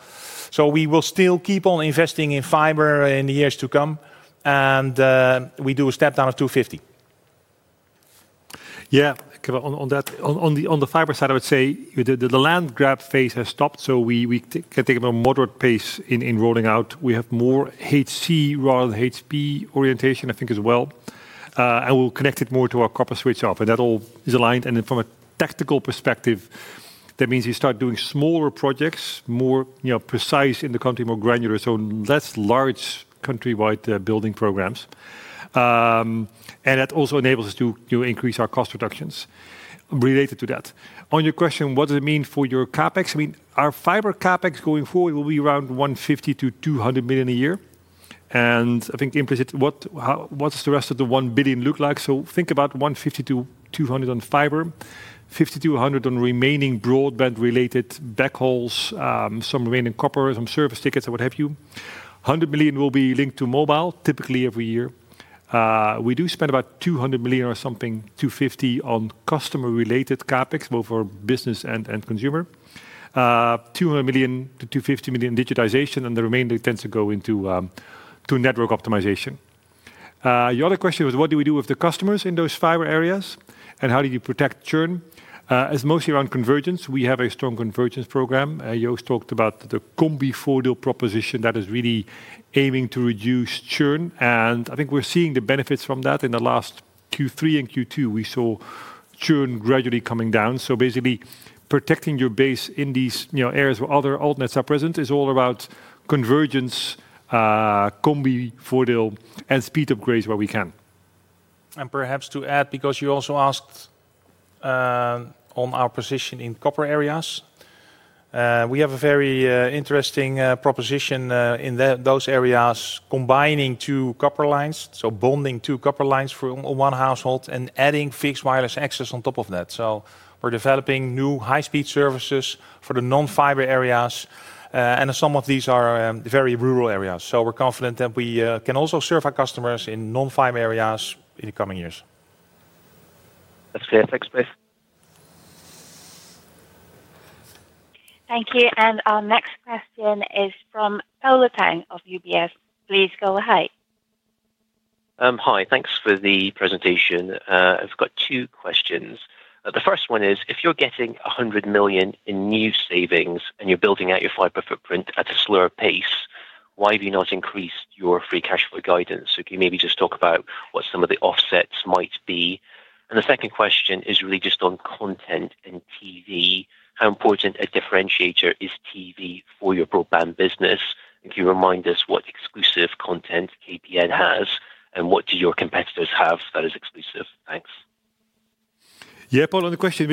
Speaker 2: We will still keep on investing in fiber in the years to come. We do a step down of 250 million.
Speaker 3: Yeah, on that. On the fiber side I would say the land grab phase has stopped so we can take a more moderate pace in rolling out. We have more HC rather than HP orientation I think as well. We'll connect it more to our copper switch off and that all is aligned. From a tactical perspective, that means you start doing smaller projects, more precise in the country, more granular, so less large countrywide building programs and that also enables us to increase our cost reductions related to that. On your question, what does it mean for your CapEx? I mean our fiber CapEx going forward will be around 150 million-200 million a year. I think implicitly what does the rest of the 1 billion look like? Think about 150 million-200 million on fiber, 50 million-100 million on remaining broadband-related backhauls, some remaining copper, some service tickets or what have you. 100 million will be linked to mobile. Typically every year we do spend about 200 million or something, 250 million on customer-related CapEx both for business and consumer. 200 million-250 million digitization and the remainder tends to go into network optimization. The other question was what do we do with the customers in those fiber areas and how do you protect churn? As mostly around convergence, we have a strong convergence program. Joost talked about the Combivoordeel proposition that is really aiming to reduce churn and I think we're seeing the benefits from that. In the last Q3 and Q2, we saw churn gradually coming down. Basically, protecting your base in these areas where other alternates are present is all about convergence, Combivoordeel, and speed upgrades where we can.
Speaker 2: Perhaps to add, because you also asked on our position in copper areas, we have a very interesting proposition in those areas. Combining two copper lines, so bonding two copper lines for one household and adding fixed wireless access on top of that. We are developing new high speed services for the non-fiber areas and some of these are very rural areas. We are confident that we can also serve our customers in non-fiber areas in the coming years.
Speaker 5: That's great. Thanks guys.
Speaker 4: Thank you. Our next question is from Polo Tang of UBS. Please go ahead.
Speaker 6: Hi. Thanks for the presentation. I've got two questions. The first one is if you're getting 100 million in new savings and you're building out your fiber footprint at a slower pace, why do you not increase your free cash flow guidance? Can you maybe just talk about what some of the offsets might be? The second question is really just on content and TV. How important a differentiator is TV for your broadband business? Can you remind us what exclusive content KPN has and what do your competitors have that is exclusive? Thanks.
Speaker 3: Yeah. Paul, on the question,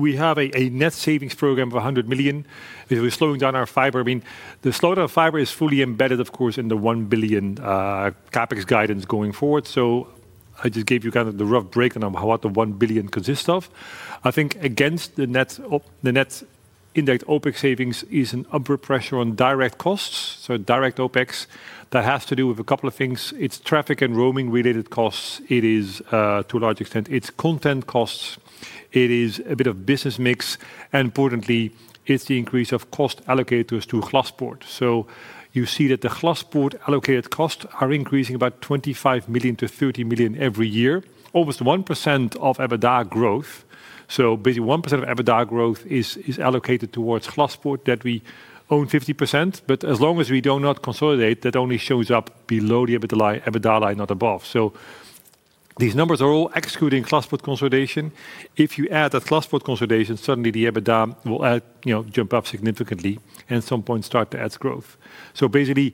Speaker 3: we have a net savings program of 100 million. We're slowing down our fiber. I mean the slowdown of fiber is fully embedded of course in the 1 billion CapEx guidance going forward. I just gave you kind of the rough break on what the 1 billion consists of. I think against the net, the net index OpEx savings is an upward pressure on direct costs, so direct OpEx. That has to do with a couple of things. It's traffic and roaming related costs. It is to a large extent its content costs. It is a bit of business mix and importantly it's the increase of cost allocators to Glaspoort. You see that the Glaspoort allocated costs are increasing about 25 million-30 million every year, almost 1% of EBITDA growth. Basically, 1% of EBITDA growth is allocated towards Glaspoort that we own 50%. As long as we do not consolidate, that only shows up below the EBITDA line, not above. These numbers are all excluding Glaspoort consolidation. If you add Glaspoort consolidation, suddenly the EBITDA will jump up significantly and at some point start to add growth. The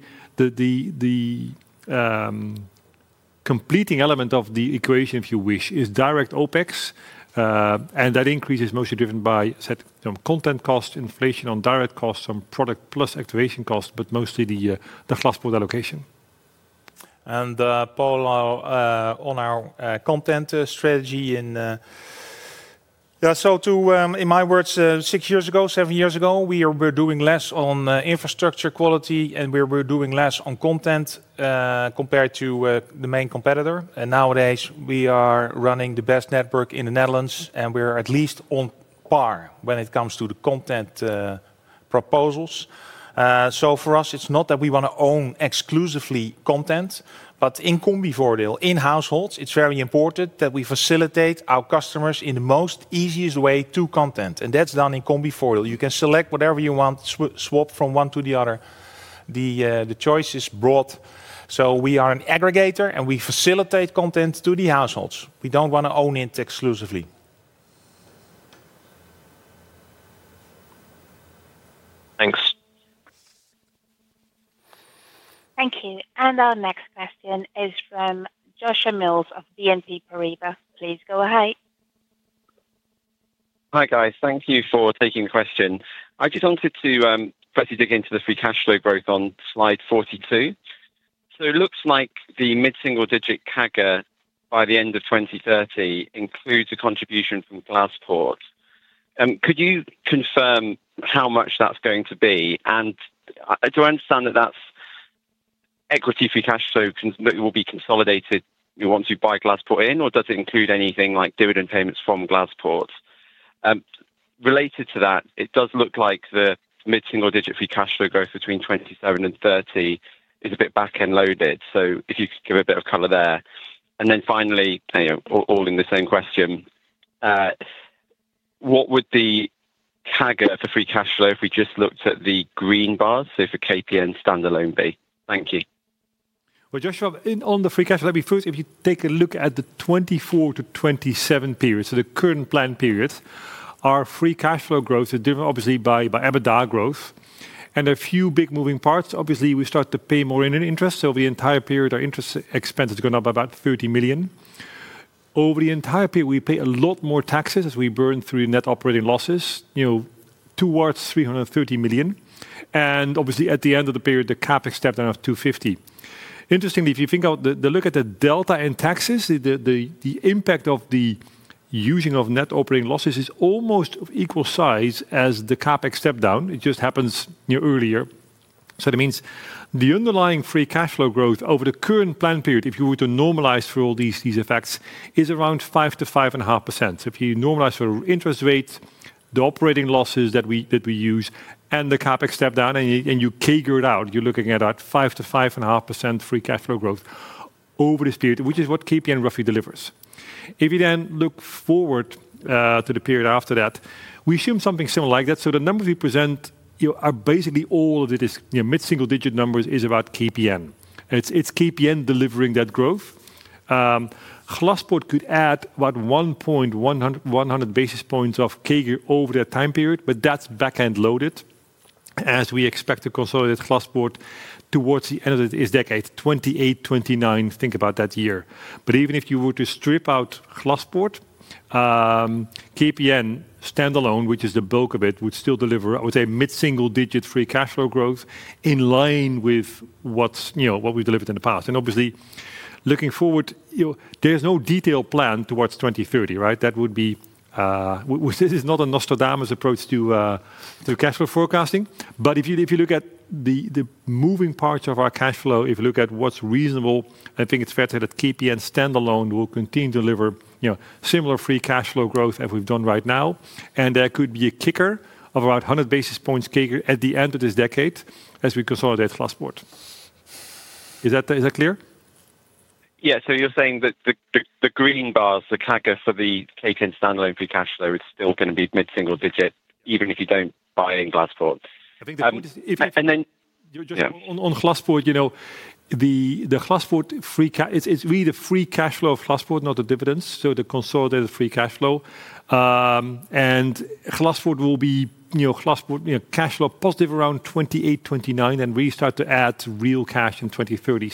Speaker 3: completing element of the equation, if you wish, is direct OpEx. That increase is mostly driven by content cost inflation on direct costs on product plus activation cost, but mostly the Glaspoort allocation.
Speaker 2: Paul, on our content strategy, in my words, six years ago, seven years ago, we were doing less on infrastructure quality and we were doing less on content compared to the main competitor. Nowadays, we are running the best network in the Netherlands and we are at least on par when it comes to the content proposals. For us, it is not that we want to own exclusively content, but in Combivoordeel in households, it is very important that we facilitate our customers in the most easiest way to content, and that is done in Combivoordeel. You can select whatever you want, swap from one to the other. The choice is broad. We are an aggregator and we facilitate content to the households. We do not want to own it exclusively.
Speaker 6: Thanks.
Speaker 4: Thank you. Our next question is from Joshua Mills of BNP Paribas. Please go ahead.
Speaker 7: Hi guys. Thank you for taking the question. I just wanted to firstly dig into the free cash flow growth on slide 42. It looks like the mid single digit CAGR by the end of 2030 includes a contribution from Glaspoort. Could you confirm how much that's going to be and do I understand that that's equity? Free cash flow will be consolidated once you buy Glaspoort in or does it include anything like dividend payments from Glaspoort related to that? It does look like the mid single digit free cash flow growth between 2027 and 2030 is a bit back end loaded. If you could give a bit of color there. Finally all in the same question, what would the CAGR for free cash flow, if we just looked at the green bars, so for KPN standalone, be? Thank you.
Speaker 3: Joshua, on the free cash flow first, if you take a look at the 2024-2027 period, so the current plan period, our free cash flow growth is driven obviously by EBITDA growth and a few big moving parts. Obviously, we start to pay more in interest over the entire period. Our interest expense has gone up about 30 million over the entire period. We pay a lot more taxes as we burn through net operating losses towards 330 million. Obviously, at the end of the period, the CapEx stepped out of 250 million. Interestingly, if you look at the delta in taxes, the impact of the using of net operating losses is almost of equal size as the CapEx step down. It just happens, you know, earlier. That means the underlying free cash flow growth over the current plan period, if you were to normalize for all these effects, is around 5%-5.5%. If you normalize for interest rates, the operating losses that we use, and the CapEx step down, and you CAGR it out, you are looking at 5%-5.5% free cash flow growth over this period, which is what KPN roughly delivers. If you then look forward to the period after that, we assume something similar like that. The numbers we present, basically all of it is mid single digit numbers. It is about KPN. It is KPN delivering that growth. Glaspoort could add about 100 basis points of CAGR over that time period, but that is back end loaded as we expect to consolidate Glaspoort towards the end of this decade. 2028, 2029. Think about that year. Even if you were to strip out Glaspoort, KPN standalone, which is the bulk of it, would still deliver, I would say, mid single digit free cash flow growth in line with what's, you know, what we've delivered in the past. Obviously, looking forward, there's no detailed plan towards 2030. Right. That would be. This is not a Nostradamus approach to cash flow forecasting. If you look at the moving parts of our cash flow, if you look at what's reasonable, I think it's fair to say that KPN standalone will continue to deliver, you know, similar free cash flow growth as we've done right now. That could be a kicker of about 100 basis points [CAGR] at the end of this decade as we consolidate Glaspoort. Is that, is that clear?
Speaker 7: Yes. So you're saying that the green bars, the cacao for the cake in standalone free cash flow is still going to be mid single digit even if you don't buy in Glaspoort.
Speaker 3: On Glaspoort, you know, the Glaspoort free cash is really the free cash flow of Glaspoort, not the dividends. The consolidated free cash flow in Glaspoort will be cash flow positive around 2028-2029 and we start to add real cash in 2030.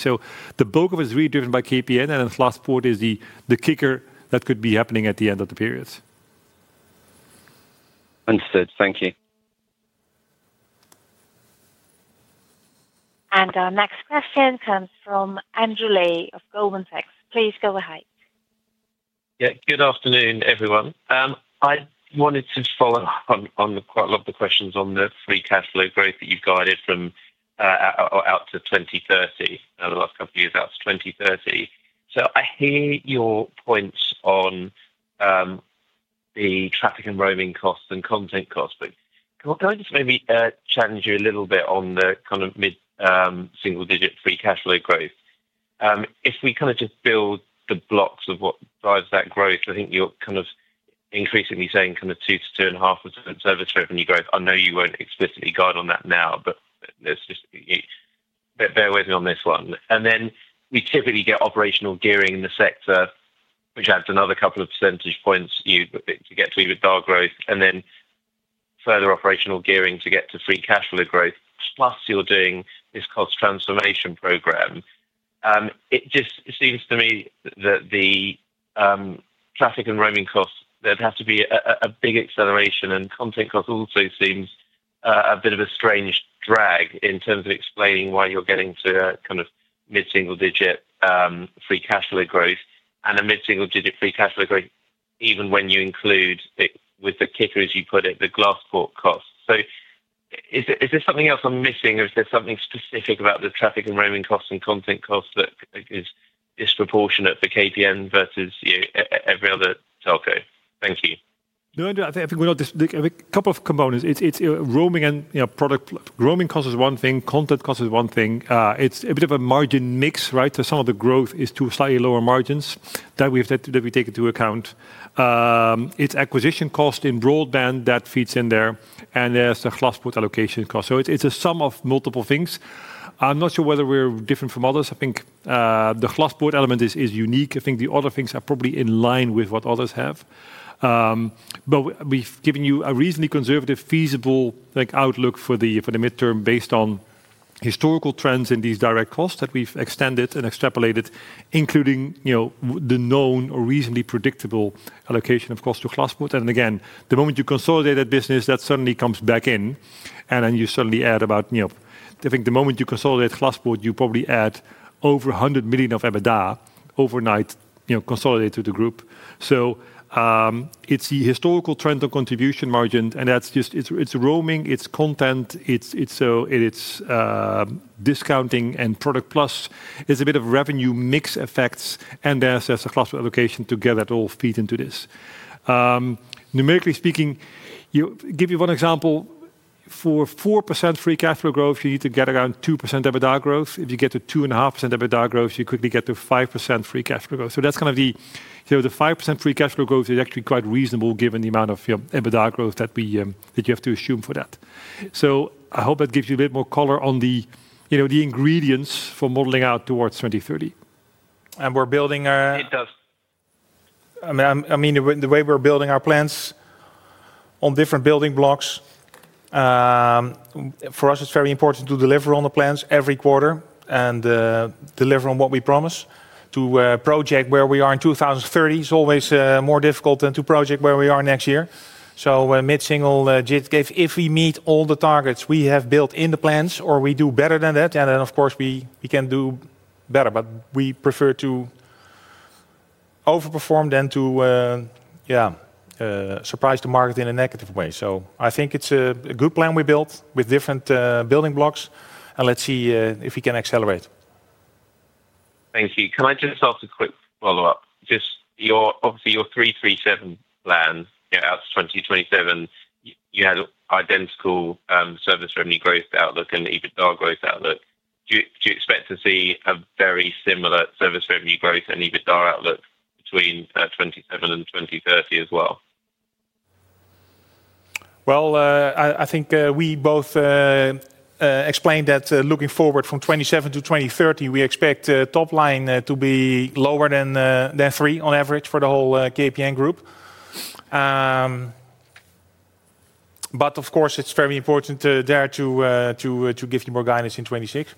Speaker 3: The bulk of it is really driven by KPN and Glaspoort is the kicker that could be happening at the end of the period.
Speaker 7: Understood, thank you.
Speaker 4: Our next question comes from Andrew Lee of Goldman Sachs. Please go ahead.
Speaker 8: Yeah, good afternoon everyone. I wanted to follow on quite a lot of the questions on the free cash flow growth that you've guided from out to 2030 over the last couple of years. That's 2030. I hear your points on the traffic and roaming costs and content cost, but can I just maybe challenge you a little bit on the kind of middle single digit free cash flow growth? If we kind of just build the blocks of what drives that growth, I think you're kind of increasingly saying kind of 2%-2.5% service revenue growth. I know you won't explicitly guide on that now, but just bear with me on this one. We typically get operational gearing in the sector which adds another couple of percentage points to get to EBITDA growth and then further operational gearing to get to free cash flow growth. Plus you're doing this cost transformation program. It just seems to me that the traffic and roaming costs have to be a big acceleration and content cost also seems a bit of a strange drag in terms of explaining why you're getting to kind of mid single digit free cash flow growth and a mid single digit free cash flow growth even when you include, with the kicker as you put it, the Glaspoort cost. Is there something else I'm missing or is there something specific about the traffic and roaming costs and content costs that is disproportionate for KPN versus every other telco? Thank you.
Speaker 3: No, Andrew, I think we'll just a couple of components. It's roaming and product. Roaming cost is one thing. Content cost is one thing. It's a bit of a margin mix. Right. Some of the growth is to slightly lower margins that we take into account. It's acquisition cost in broadband that feeds in there and there's the Glaspoort allocation cost. It's a sum of multiple things. I'm not sure whether we're different from others. I think the Glaspoort element is unique. I think the other things are probably in line with what others have. We've given you a reasonably conservative feasible outlook for the midterm based on historical trends in these direct costs that we've extended and extrapolated, including the known or reasonably predictable allocation of cost to Glaspoort. Again, the moment you consolidate that business, that suddenly comes back in and then you suddenly add about, you know, I think the moment you consolidate Glaspoort, you probably add over 100 million of EBITDA overnight, you know, consolidated to the group. It is the historical trend of contribution margin and that is just, it is roaming, it is content, it is discounting, and product plus is a bit of revenue mix effects, and assess the classical allocation. Together, it all feeds into this. Numerically speaking, to give you one example, for 4% free cash flow growth, you need to get around 2% EBITDA growth. If you get to 2.5% EBITDA growth, you quickly get to 5% free cash flow growth. That is kind of the 5% free cash flow growth, it is actually quite reasonable given the amount of EBITDA growth that we, that you have to assume for that. I hope that gives you a bit more color on the, you know, the ingredients for modeling out towards 2030.
Speaker 2: We're building, I mean the way we're building our plans on different building blocks. For us it's very important to deliver on the plans every quarter and deliver on what we promise. To project where we are in 2030 is always more difficult than to project where we are next year. Mid single digit if we meet all the targets we have built in the plans or we do better than that and then of course we can do better, but we prefer to overperform than to surprise the market in a negative way. I think it's a good plan we built with different building blocks and let's see if we can accelerate.
Speaker 8: Thank you. Can I just ask a quick follow up? Just your obviously your 3/3/7 plan out to 2027 you had identical service revenue growth outlook and EBITDA growth outlook. Do you expect to see a very similar service revenue growth and EBITDA outlook between 2027 and 2030 as well?
Speaker 2: I think we both explained that looking forward from 2027 to 2030 we expect top line to be lower than 3 on average for the KPN group. Of course, it's very important there to give you more guidance in 2026.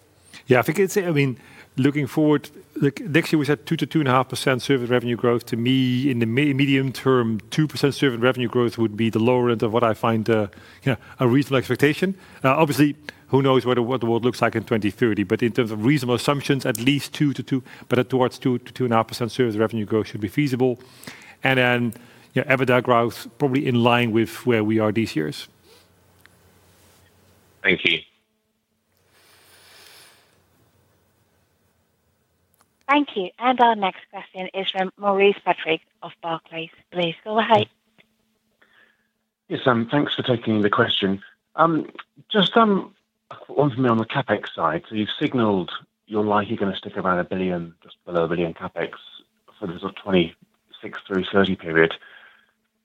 Speaker 3: Yeah, I think it's, I mean looking forward next year we said 2%-2.5% service revenue growth. To me in the medium term 2% service revenue growth would be the lower end of what I find, you know, a reasonable expectation. Obviously who knows what the world looks like in 2030 but in terms of reasonable assumptions at least 2-2 but towards 2%-2.5% service revenue growth should be feasible and then EBITDA growth probably in line with where we are these years.
Speaker 8: Thank you.
Speaker 4: Thank you. Our next question is from Maurice Patrick of Barclays. Please go ahead.
Speaker 9: Yes, thanks for taking the question. Just one for me on the CapEx side. You have signaled you are likely going to stick around 1 billion, just below 1 billion CapEx for the 2026 through 2030 period.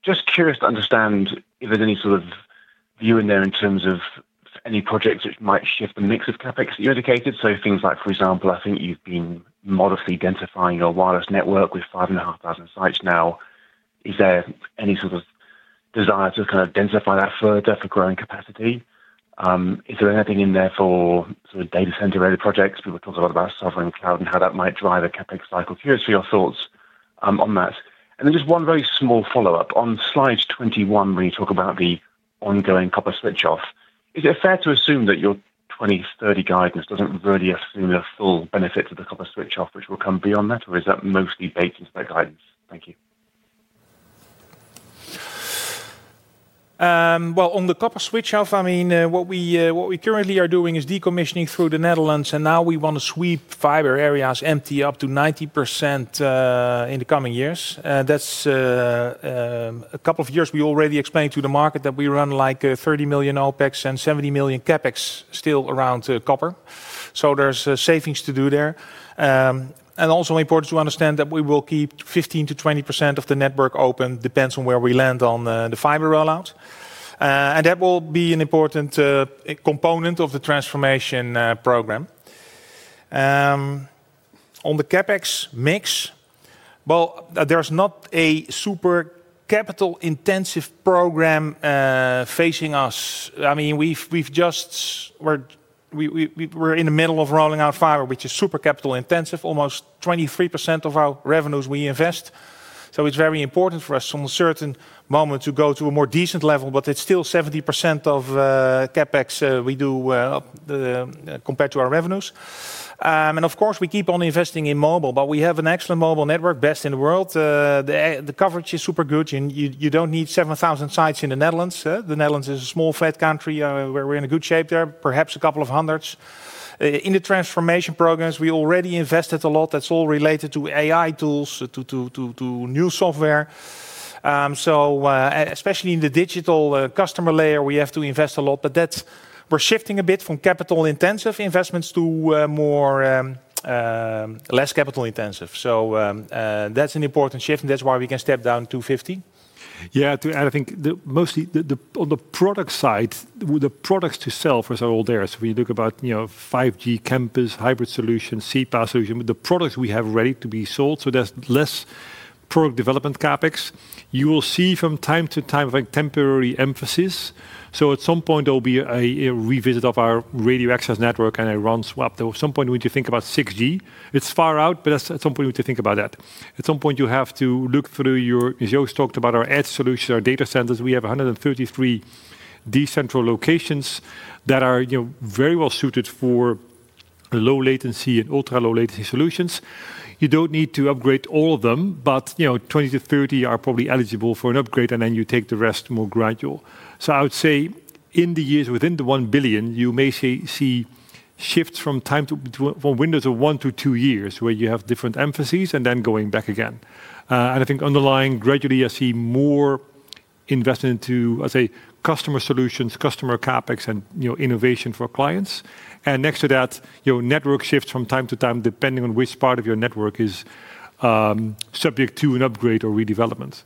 Speaker 9: Just curious to understand if there is any sort of view in there in terms of any projects which might shift the mix of CapEx that you indicated. Things like, for example, I think you have been modestly identifying your wireless network with five and a half thousand sites now. Is there any sort of desire to kind of identify that further for growing capacity? Is there anything in there for data center related projects? People talked a lot about sovereign cloud and how that might drive a CapEx cycle. Curious for your thoughts on that. Just one very small follow up. On slide 21, when you talk about the ongoing copper switch off, is it fair to assume that your 2030 guidance does not really assume the full benefit to the copper switch off which will come beyond that, or is that mostly baked into that guidance? Thank you.
Speaker 2: On the copper switch off, I mean what we currently are doing is decommissioning through the Netherlands and now we want to sweep fiber areas empty up to 90% in the coming years. That's a couple of years. We already explained to the market that we run like 30 million OpEx and 70 million CapEx still around copper. So there's savings to do there. Also important to understand that we will keep 15%-20% of the network open, depends on where we land on the fiber rollout, and that will be an important component of the transformation program. On the CapEx mix, there's not a super capital intensive program facing us. I mean we've just, we're in the middle of rolling out fiber which is super capital intensive. Almost 23% of our revenues we invest. It's very important for us from a certain moment to go to a more decent level. It's still 70% of CapEx we do compared to our revenues. Of course we keep on investing in mobile. We have an excellent mobile network, best in the world. The coverage is super good. You don't need 7,000 sites in the Netherlands. The Netherlands is a small flat country where we're in a good shape. There are perhaps a couple of hundreds. In the transformation programs, we already invested a lot. That's all related to AI tools, to new software. Especially in the digital customer layer we have to invest a lot. We're shifting a bit from capital intensive investments to more, less capital intensive. That's an important shift and that's why we can step down to 50.
Speaker 3: Yeah. To add, I think mostly on the product side, the products to sell there. We look at, you know, 5G Campus, hybrid solutions, CPaaS solution with the products we have ready to be sold. That's less product development CapEx. You will see from time to time, like temporary emphasis. At some point there will be a revisit of our radio access network and RAN swap. At some point we need to think about 6G. It's far out, but at some point to think about that. At some point you have to look through your—Joost talked about our ad solutions, our data centers. We have 133 decentral locations that are, you know, very well suited for low latency and ultra low latency solutions. You don't need to upgrade all of them but you know, 20-30 are probably eligible for an upgrade and then you take the rest more gradual. I would say in the years within the 1 billion you may see shifts from time to windows of one to two years where you have different emphases and then going back again. I think underlying, gradually I see more invest into customer solutions, customer CapEx and you know, innovation for clients and next to that your network shifts from time to time depending on which part of your network is subject to an upgrade or redevelopment.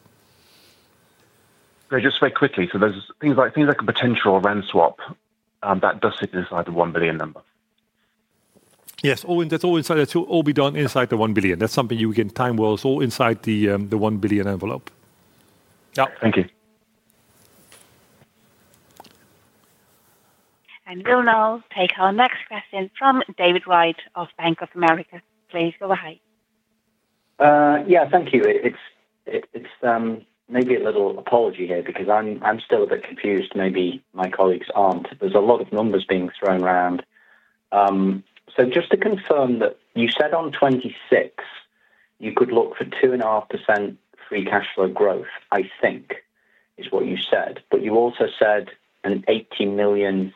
Speaker 9: Just very quickly. There's things like, things like a potential [Rand] swap. That does sit inside the 1 billion number.
Speaker 3: Yes, that's all inside. That will all be done inside the 1 billion. That's something you can time. It's all inside the 1 billion envelope.
Speaker 9: Thank you.
Speaker 4: We'll now take our next question from David Wright of Bank of America. Please go ahead.
Speaker 10: Yeah, thank you. It's maybe a little apology here because I'm still a bit confused, maybe my colleagues aren't. There's a lot of numbers being thrown around. Just to confirm that you said on 2026 you could look for 2.5% free cash flow growth, I think is what you said. You also said an 80 million euro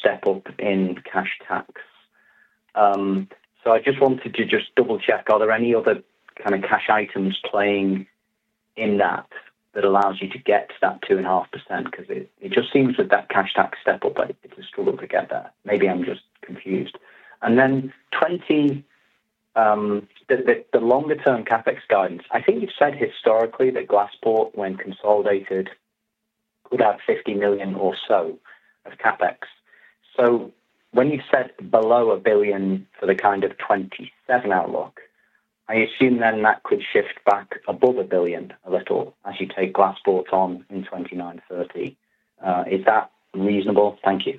Speaker 10: step up in cash tax. I just wanted to double check. Are there any other kind of cash items playing in that that allows you to get that 2.5%? It just seems that that cash tax step up, it's a struggle to get there. Maybe I'm just confused. Twenty, the longer term CapEx guidance, I think you've said historically that Glaspoort when consolidated could have 50 million or so of CapEx. When you said below 1 billion for the kind of 2027 outlook, I assume then that could shift back above 1 billion a little as you take Glaspoort on in 2029-2030, is that reasonable? Thank you.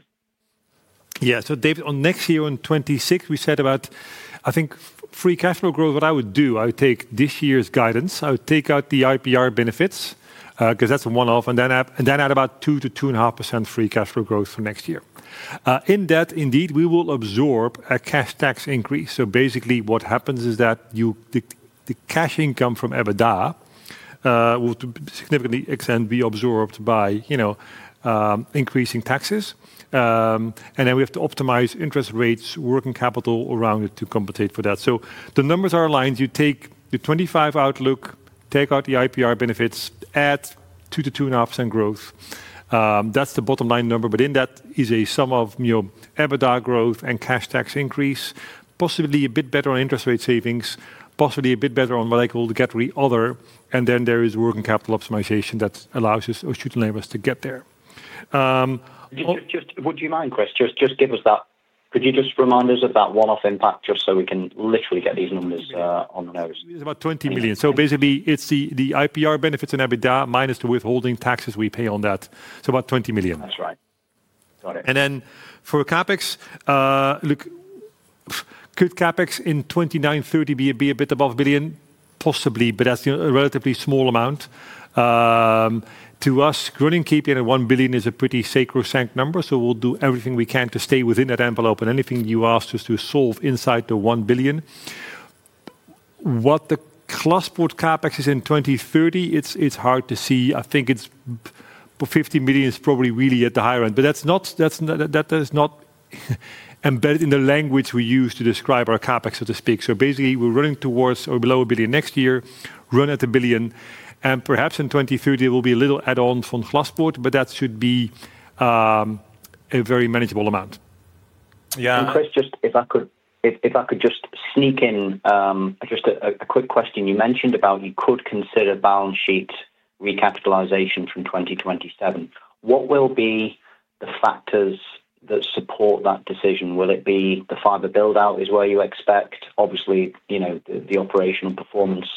Speaker 3: Yeah. So David, on next year, on 2026, we said about, I think, free cash flow growth. What I would do, I would take this year's guidance, I would take out the IPR benefits because that's a one-off, and then add about 2%-2.5% free cash flow growth for next year in that. Indeed, we will absorb a cash tax increase. Basically, what happens is that the cash income from EBITDA will, to a significant extent, be absorbed by, you know, increasing taxes, and then we have to optimize interest rates, working capital around it to compensate for that. The numbers are aligned. You take the 2025 outlook, take out the IPR benefits, add 2%-2.5% growth, that's the bottom line number. In that is a sum of your EBITDA growth and cash tax increase. Possibly a bit better on interest rate savings, possibly a bit better on what I call the [get other]. There is working capital optimization that allows us to leave us to get there.
Speaker 10: Would you mind, Chris, just give us that. Could you just remind us of that one off impact just so we can literally get these numbers on the nose?
Speaker 3: It's about 20 million. Basically, it's the IPR benefits and EBITDA minus the withholding taxes we pay on that. About 20 million.
Speaker 10: That's right. Got it.
Speaker 3: For CapEx, look, could CapEx in 2029-2030 be a bit above 1 billion? Possibly, but that is a relatively small amount to us. Frankly, keeping at 1 billion is a pretty sacrosanct number. We will do everything we can to stay within that envelope and anything you asked us to solve inside the 1 billion. What the Glaspoort CapEx is in 2030, it is hard to see. I think 50 million is probably really at the higher end, but that is not embedded in the language we use to describe our CapEx, so to speak. Basically, we are running towards or below 1 billion next year, run at 1 billion, and perhaps in 2030 there will be a little add-on from Glaspoort. That should be a very manageable amount.
Speaker 10: Chris, just if I could, if I could just sneak in, just a quick question. You mentioned about you could consider balance sheet recapitalization from 2027. What will be the factors that support that decision? Will it be the fiber build out is where you expect obviously, you know, the operational performance.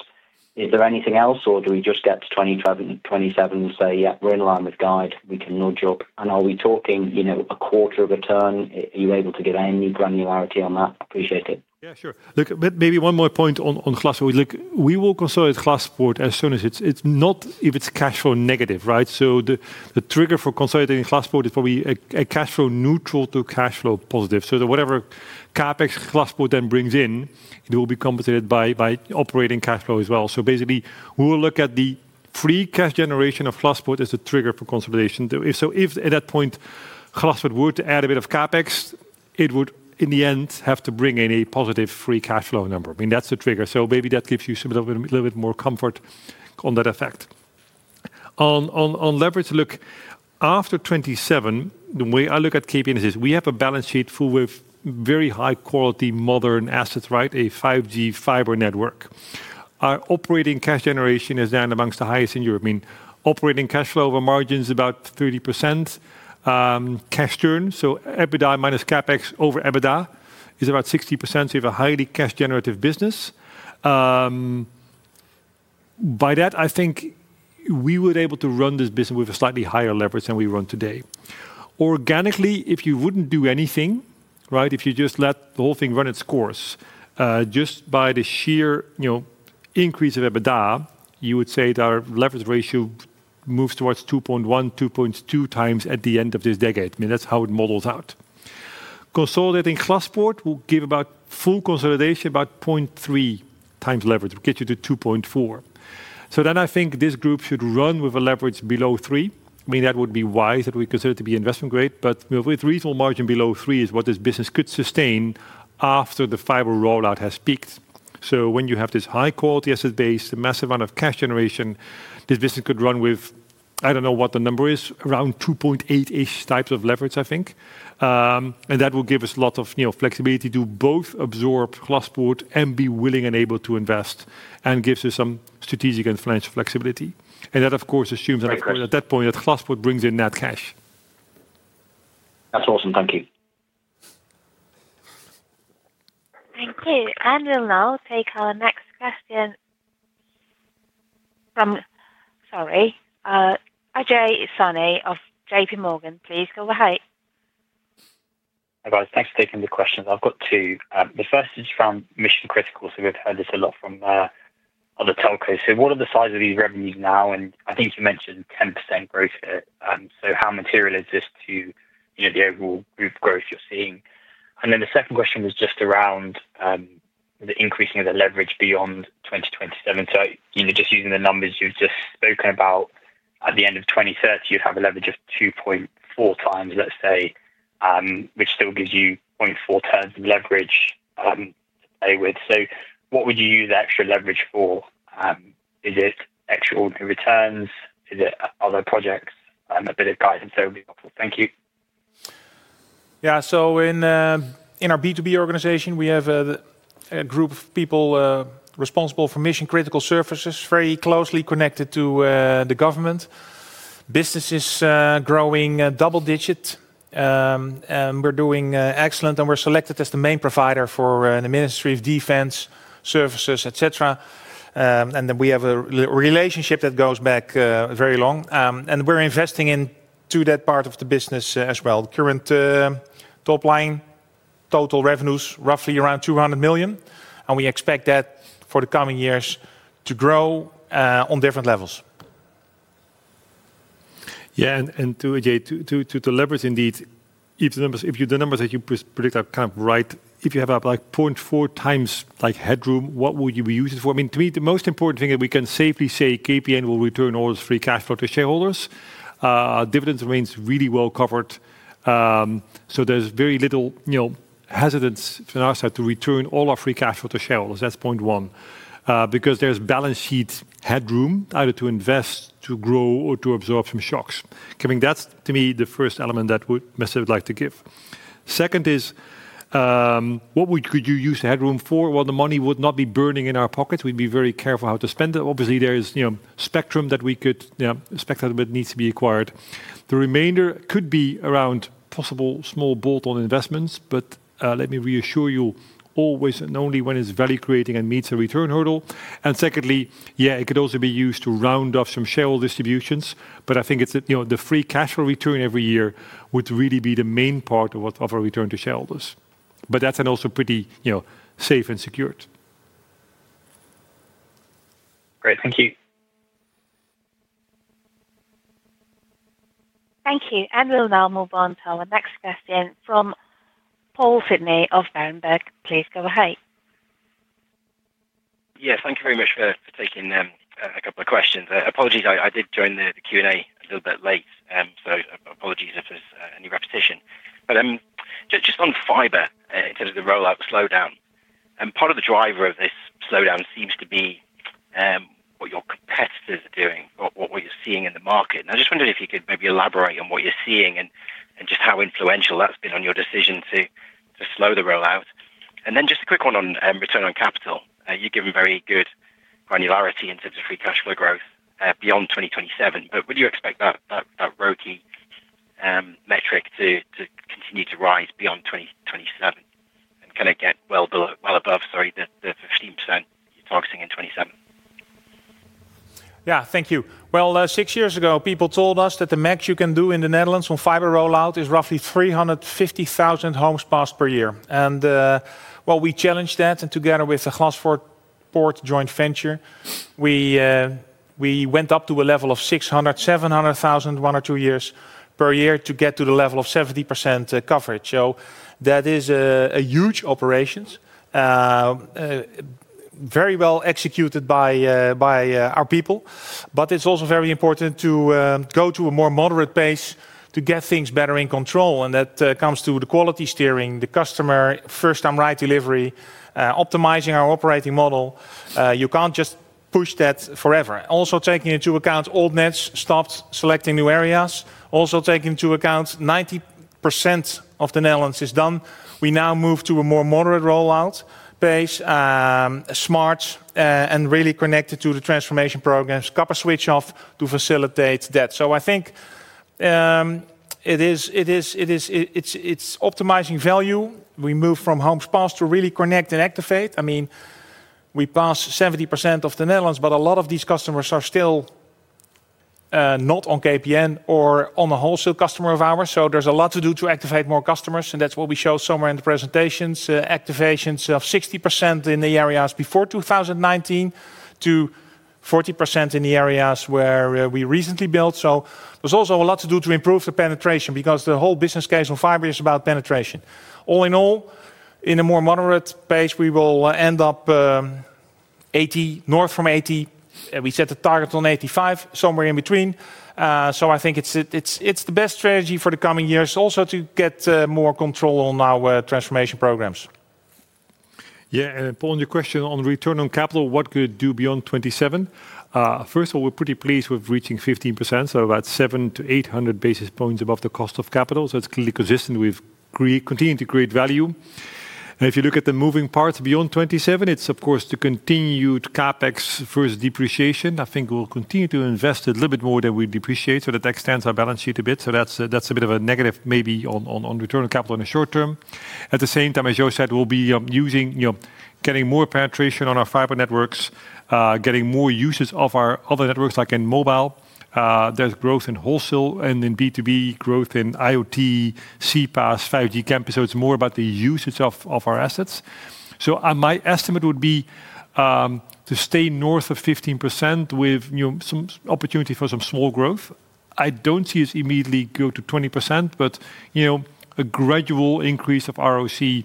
Speaker 10: Is there anything else or do we just get to 2027 and say yeah we're in line with guide, we can nudge up and are we talking, you know, a quarter of a turn? Are you able to get any granularity on that? Appreciate it.
Speaker 3: Yeah, sure. Look, maybe one more point on Glaspoort. We will consider Glaspoort as soon as it's not if it's cash flow negative. Right. So the trigger for consolidating Glaspoort is probably a cash flow neutral to cash flow positive. So that whatever CapEx Glaspoort then brings in it will be compensated by operating cash flow as well. So basically we will look at the free cash generation of Glaspoort as the trigger for consolidation. If at that point Glaspoort were to add a bit of CapEx it would in the end have to bring in a positive free cash flow number. I mean that's the trigger. Maybe that gives you a little bit more comfortable on that effect on leverage. Look after 2027, the way I look at KPN is we have a balance sheet full with very high quality modern assets. Right. A 5G fiber network. Our operating cash generation is down amongst the highest in European operating cash flow over margins about 30% cash turn. EBITDA minus CapEx over EBITDA is about 60% of a highly cash generative business. By that I think we were able to run this business with a slightly higher leverage than we run today organically if you would not do anything, if you just let the whole thing run its course just by the sheer increase of EBITDA you would say that our leverage ratio moves towards 2.1x-2.2x at the end of this decade. That is how it models out. Consolidating Glaspoort will give about full consolidation about 0.3x leverage, will get you to 2.4x. I think this group should run with a leverage below 3x. I mean that would be wise that we consider to be investment grade but with reasonable margin below 3x is what this business could sustain after the fiber rollout has peaked. When you have this high quality asset base, the massive amount of cash generation this business could run with, I don't know what the number is, around 2.8x-ish types of leverage I think, and that will give us a lot of flexibility to both absorb Glaspoort and be willing and able to invest and gives us some strategic and financial flexibility. That of course assumes at that point that Glaspoort brings in net cash.
Speaker 10: That's awesome. Thank you.
Speaker 4: Thank you. We'll now take our next question from, sorry, Ajay Soni of JPMorgan. Please go ahead.
Speaker 11: Thanks for taking the questions. I've got two. The first is on mission critical. We've heard this a lot from other telcos. What are the size of these revenues now? I think you mentioned 10% growth here. How material is this to the overall group growth you're seeing? The second question was just around the increasing of the leverage beyond 2027. Just using the numbers you've just spoken about, at the end of 2030 you have a leverage of 2.4x, let's say, which still gives you 0.4x of leverage to play with. What would you use extra leverage for? Is it extraordinary returns? Is it other projects? A bit of guidance there would be helpful, thank you.
Speaker 2: Yeah. In our B2B organization we have a group of people responsible for mission critical services, very closely connected to the government, business is growing double digit, we're doing excellent and we're selected as the main provider for the Ministry of Defense services, etc. We have a relationship that goes back very long and we're investing into that part of the business as well. Current top line total revenues roughly around 200 million. We expect that for the coming years to grow on different levels.
Speaker 3: Yeah. To leverage. Indeed. If the numbers that you predict are kind of right, if you have like 0.4x headroom, what would you be using it for? I mean to me the most important thing that we can safely say is KPN will return all its free cash flow to shareholders. Dividends remain really well covered. There is very little hesitance on our side to return all our free cash flow to shareholders. That is point one. Because there is balance sheet headroom either to invest, to grow, or to absorb some shocks. That is to me the first element that I would like to give. Second is what could you use the headroom for? The money would not be burning in our pockets. We would be very careful how to spend it. Obviously there is spectrum that we could. Yeah, spectrum needs to be acquired. The remainder could be around possible small bolt-on investments. Let me reassure you, always and only when it's value creating and meets a return hurdle. Secondly, yeah, it could also be used to round off some shareholder distributions. I think it's, you know, the free cash flow return every year would really be the main part of a return to shareholders. That's also pretty, you know, safe and secured.
Speaker 11: Great, thank you.
Speaker 4: Thank you. We'll now move on to our next question from Paul Sidney of Berenberg. Please go ahead.
Speaker 12: Yes, thank you very much for taking a couple of questions. Apologies, I did join the Q&A a little bit late, so apologies if there's any repetition. Just on fiber in terms of the rollout slowdown, part of the driver of this slowdown seems to be what your competitors are doing, what you're seeing in the market. I just wondered if you could maybe elaborate on what you're seeing and just how influential that's been on your decision to slow the rollout. Just a quick one on return on capital. You've given very good granularity in terms of free cash flow growth beyond 2027. Would you expect that ROCE metric to continue to rise beyond 2027 and kind of get well below, well above, sorry, the 15% you're targeting in 2027?
Speaker 2: Yeah. Thank you. Six years ago people told us that the max you can do in the Netherlands on fiber rollout is roughly 350,000 homes passed per year. We challenged that and together with the Glaspoort joint venture, we went up to a level of 600,000, 700,000 one or two years per year to get to the level of 70% coverage. That is a huge operation, very well executed by our people. It is also very important to go to a more moderate pace to get things better in control. That comes to the quality, steering the customer, first time right delivery, optimizing our operating model. You cannot just push that forever. Also taking into account altnets stopped selecting new areas. Also taking into account 90% of the Netherlands is done. We now move to a more moderate rollout pace. Smart and really connected to the transformation programs, copper switch off to facilitate that. I think it's optimizing value. We move from home spots to really connect and activate. I mean we pass 70% of the Netherlands, but a lot of these customers are still not on KPN or on a wholesale customer of ours. There is a lot to do to activate more customers. That's what we show somewhere in the presentations. Activations of 60% in the areas before 2019 to 40% in the areas where we recently built. There is also a lot to do to improve the penetration because the whole business case on fiber is about penetration. All in all, in a more moderate pace we will end up 80%, north from 80%. We set the target on 85%, somewhere in between. I think it's the best strategy for the coming years also to get more control on our transformation programs.
Speaker 3: Yeah, and Paul, your question on return on capital, what could it do beyond 2027? First of all, we're pretty pleased with reaching 15%, so about 700-800 basis points above the cost of capital. It is clearly consistent with to create value. If you look at the moving parts beyond 2027, it is of course the continued CapEx first depreciation. I think we'll continue to invest a little bit more than we depreciate, so that extends our balance sheet a bit. That is a bit of a negative maybe on return on capital in the short term. At the same time, as Joost said, we'll be getting more penetration on our fiber networks, getting more uses of our other networks like in mobile, there is growth in wholesale and in B2B, growth in IoT, CPaaS, 5G Campus. It is more about the usage of our assets. My estimate would be to stay north of 15% with some opportunity for some small growth. I don't see us immediately go to 20% but a gradual increase of ROCE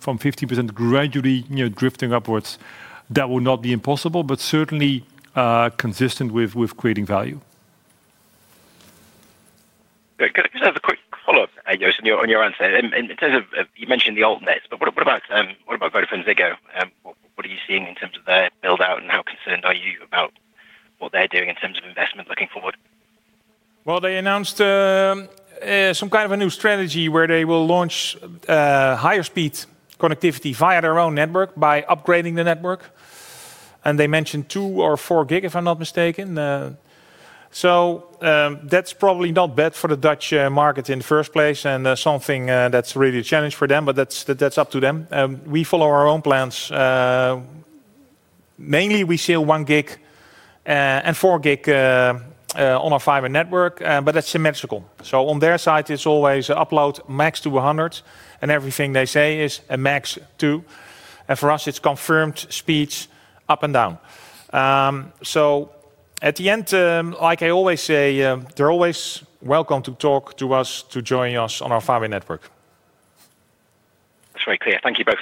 Speaker 3: from 15% gradually drifting upwards. That will not be impossible but certainly consistent with creating value.
Speaker 12: A quick follow up, Joost, on your answer in terms of, you mentioned the altnets, but what about VodafoneZiggo? What are you seeing in terms of their build out and how concerned are you about what they're doing in terms of investment looking forward?
Speaker 2: They announced some kind of a new strategy where they will launch higher speed connectivity via their own network by upgrading the network and they mentioned 2 gig or 4 gig if I'm not mistaken. That's probably not bad for the Dutch market in the first place and something that's really a challenge for them but that's up to them. We follow our own plans mainly. We sell 1 gig and 4 gig on our fiber network but that's symmetrical. On their side it's always upload max to 100 and everything they say is a max too. For us it's confirmed speeds up and down. At the end, like I always say, they're always welcome to talk to us, to join us on our fiber network.
Speaker 12: That's very clear. Thank you both.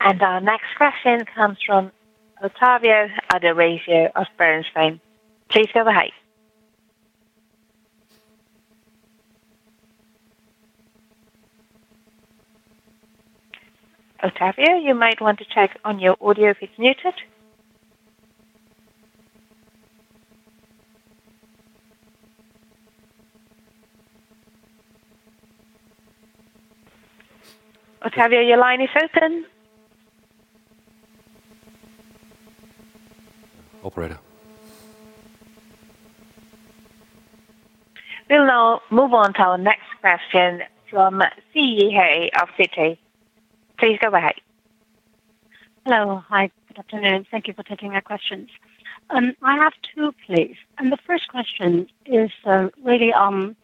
Speaker 4: Our next question comes from Ottavio Adorisio of Bernstein. Please go ahead, Ottavio. You might want to check on your audio if it's muted. Ottavio, your line is open.
Speaker 1: Operator.
Speaker 4: We'll now move on to our next question from Siyi He of Citi. Please go ahead.
Speaker 13: Hello. Hi, good afternoon. Thank you for taking my questions. I have two, please. The first question is really on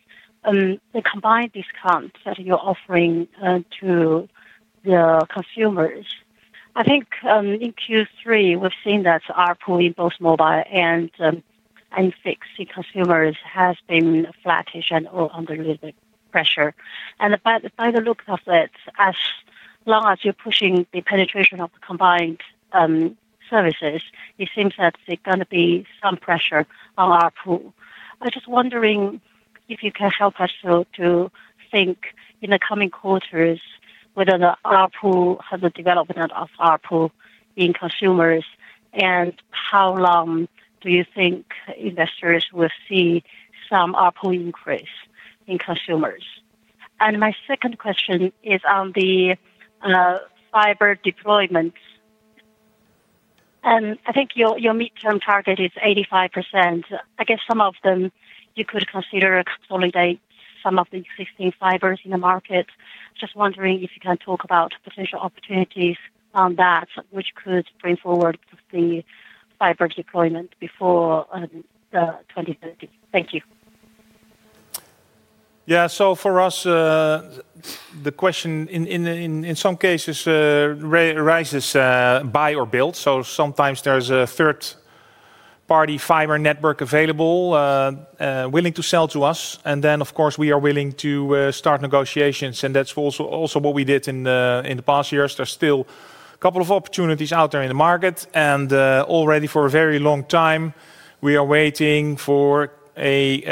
Speaker 13: the combined discount that you're offering to the consumers. I think in Q3 we've seen that ARPU in both mobile and fixed consumers has been flattish and under pressure. By the look of it, as long as you're pushing the penetration of combined services, it seems that there is going to be some pressure on ARPU. I am just wondering if you can help us to think in the coming quarters about the development of ARPU in consumers and how long you think investors will see some ARPU increase in consumers. My second question is on the fiber deployments. I think your mid term target is 85%. I guess some of them you could consider consolidating some of the existing fiber in the market. Just wondering if you can talk about potential opportunities on that which could bring forward the fiber deployment before 2030. Thank you.
Speaker 2: Yeah, for us the question in some cases rises, buy or build. Sometimes there's a third party fiber network available willing to sell to us and then of course we are willing to start negotiations. That's also what we did in the past years. There's still a couple of opportunities out there in the market and already for a very long time we are waiting for a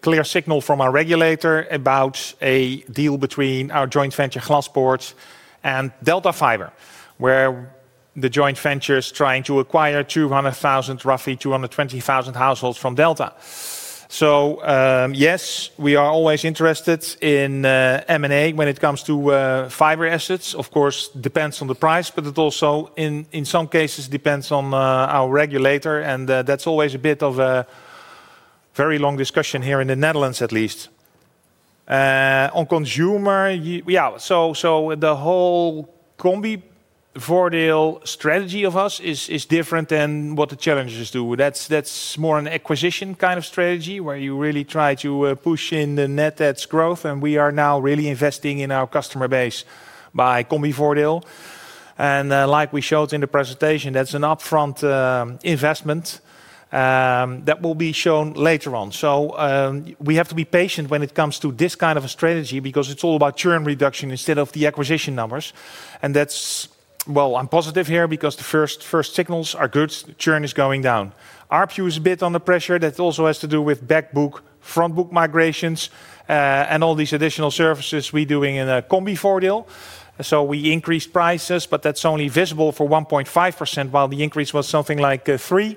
Speaker 2: clear signal from our regulator about a deal between our joint venture Glaspoort and Delta Fiber where the joint venture is trying to acquire roughly 220,000 households from Delta. Yes, we are always interested in M&A when it comes to fiber assets. Of course, it depends on the price, but also in some cases depends on our regulator. That is always a bit of a very long discussion here in the Netherlands, at least. On consumer, yeah, the whole Combivoordeel strategy of us is different than what the challengers do. That is more an acquisition kind of strategy where you really try to push in the net. That is growth. We are now really investing in our customer base by Combivoordeel. Like we showed in the presentation, that is an upfront investment that will be shown later on. We have to be patient when it comes to this kind of a strategy because it is all about churn reduction instead of the acquisition numbers. I am positive here because the first signals are good. Churn is going down. ARPU is a bit under pressure. That also has to do with back book, front book migrations, and all these additional services we're doing in a Combivoordeel. We increased prices, but that's only visible for 1.5% while the increase was something like 3%.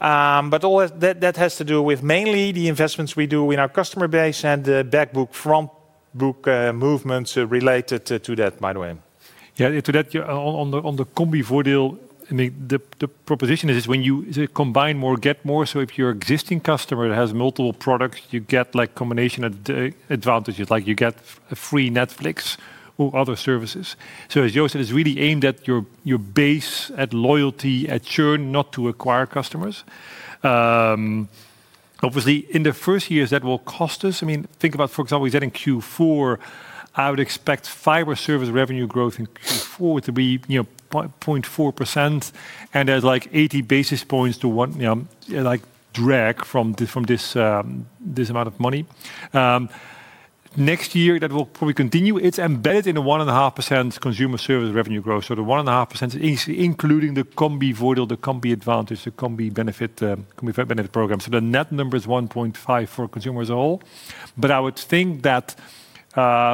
Speaker 2: All that has to do with mainly the investments we do in our customer base and back book front movements related to that, by the way.
Speaker 3: Yeah, to that. On the Combivoordeel. The proposition is when you combine more, get more. So if your existing customer has multiple products, you get like combination advantages like you get a free Netflix or other services. As Joost said, it's really aimed at your base, at loyalty, at churn, not to acquire customers. Obviously, in the first years that will cost us. I mean, think about, for example, is that in Q4, I would expect fiber service revenue growth in Q4 to be 0.4% and there's like 80 basis points to one drag from this amount of money next year that will probably continue. It's embedded in a 1.5% consumer service revenue growth. The 1.5%, including the Combivoordeel or the Combi Advantage, the Combi Benefit program. The net number is 1.5% for consumers all. I would think that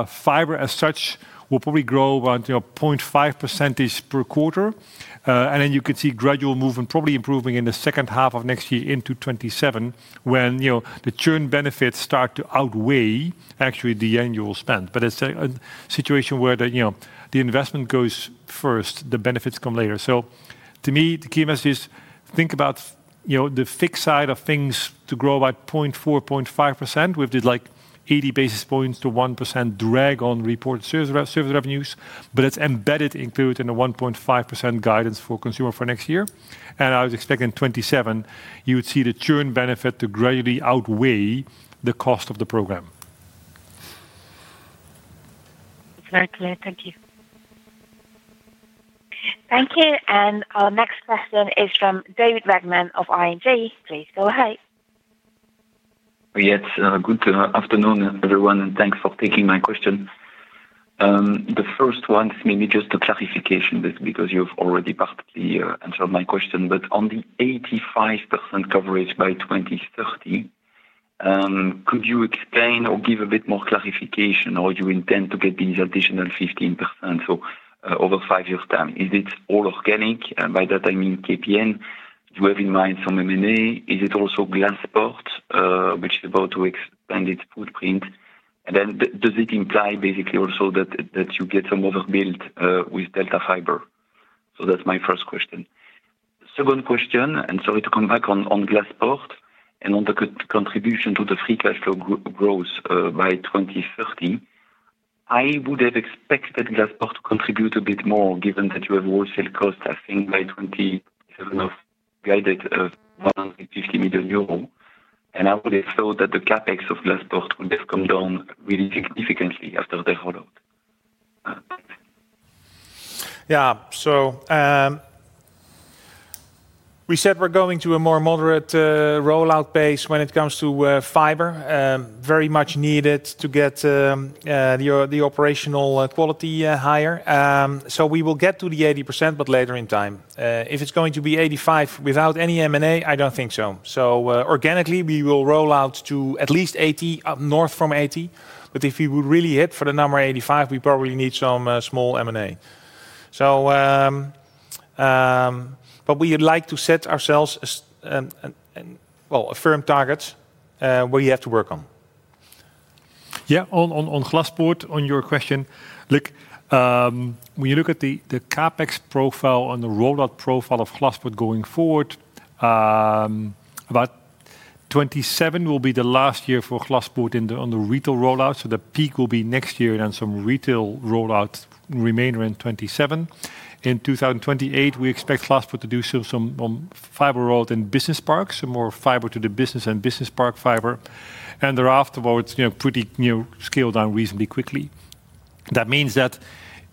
Speaker 3: fiber as such will probably grow 0.5% per quarter. You could see gradual movement probably improving in the second half of next year into 2027, when, you know, the churn benefits start to outweigh actually the annual spend. It is a situation where, you know, the investment goes first, the benefits come later. To me, the key message is think about, you know, the fixed side of things to grow by 0.4%-0.5% with like 80 basis points to 1% drag on reported service revenues. It is embedded, included in a 1.5% guidance for consumer for next year. I was expecting 2027, you would see the churn benefit to gradually outweigh the cost of the program.
Speaker 13: Very clear. Thank you.
Speaker 4: Thank you. Our next question is from David Vagman of ING. Please go ahead.
Speaker 14: Yes, good afternoon everyone, and thanks for taking my question. The first one, maybe just a clarification because you've already partly answered my question but on the 85% coverage by 2030, could you explain or give a bit more clarification how you intend to get these additional 15% over five years' time. Is it all organic? And by that I mean KPN. Do you have in mind some M&A? Is it also Glaspoort, which is about to expand its footprint, and then does it imply basically also that you get some other build with Delta Fiber? That's my first question. Second question and sorry to come back on Glaspoort and on the contribution to the free cash flow growth by 2030. I would have expected Glaspoort to contribute a bit more given that you have wholesale cost, I think by 2027 of guided EUR 150 million, and I would have thought that the CapEx of Glaspoort would have come down really significantly after they [hold out].
Speaker 2: Yeah, so we said we're going to a more moderate rollout pace when it comes to fiber. Very much needed to get the operational quality higher. We will get to the 80% but later in time. If it's going to be 85% without any M&A, I don't think so. Organically we will roll out to at least 80%, up north from 80%, but if we would really hit for the number 85% we probably need some small M&A. We would like to set ourselves, well, a firm target where you have to work on.
Speaker 3: Yeah, on Glaspoort on your question. Look, when you look at the CapEx profile and the rollout profile of Glaspoort going forward, about 2027 will be the last year for Glaspoort on the retail rollout so the peak will be next year and some retail rollout remainder in 2027. In 2028 we expect Glaspoort to do some fiber, road and business parks, some more fiber to the business and business park fiber and thereafter it's pretty scaled down reasonably quickly. That means that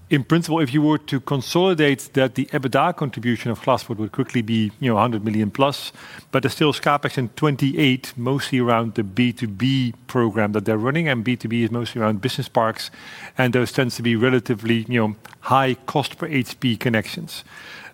Speaker 3: in principle if you were to consolidate that the EBITDA contribution of Glaspoort would quickly be 100 million plus but there's still CapEx in 2028 mostly around the B2B program that they're running and B2B is mostly around business parks and those tend to be relatively high cost per HP connections.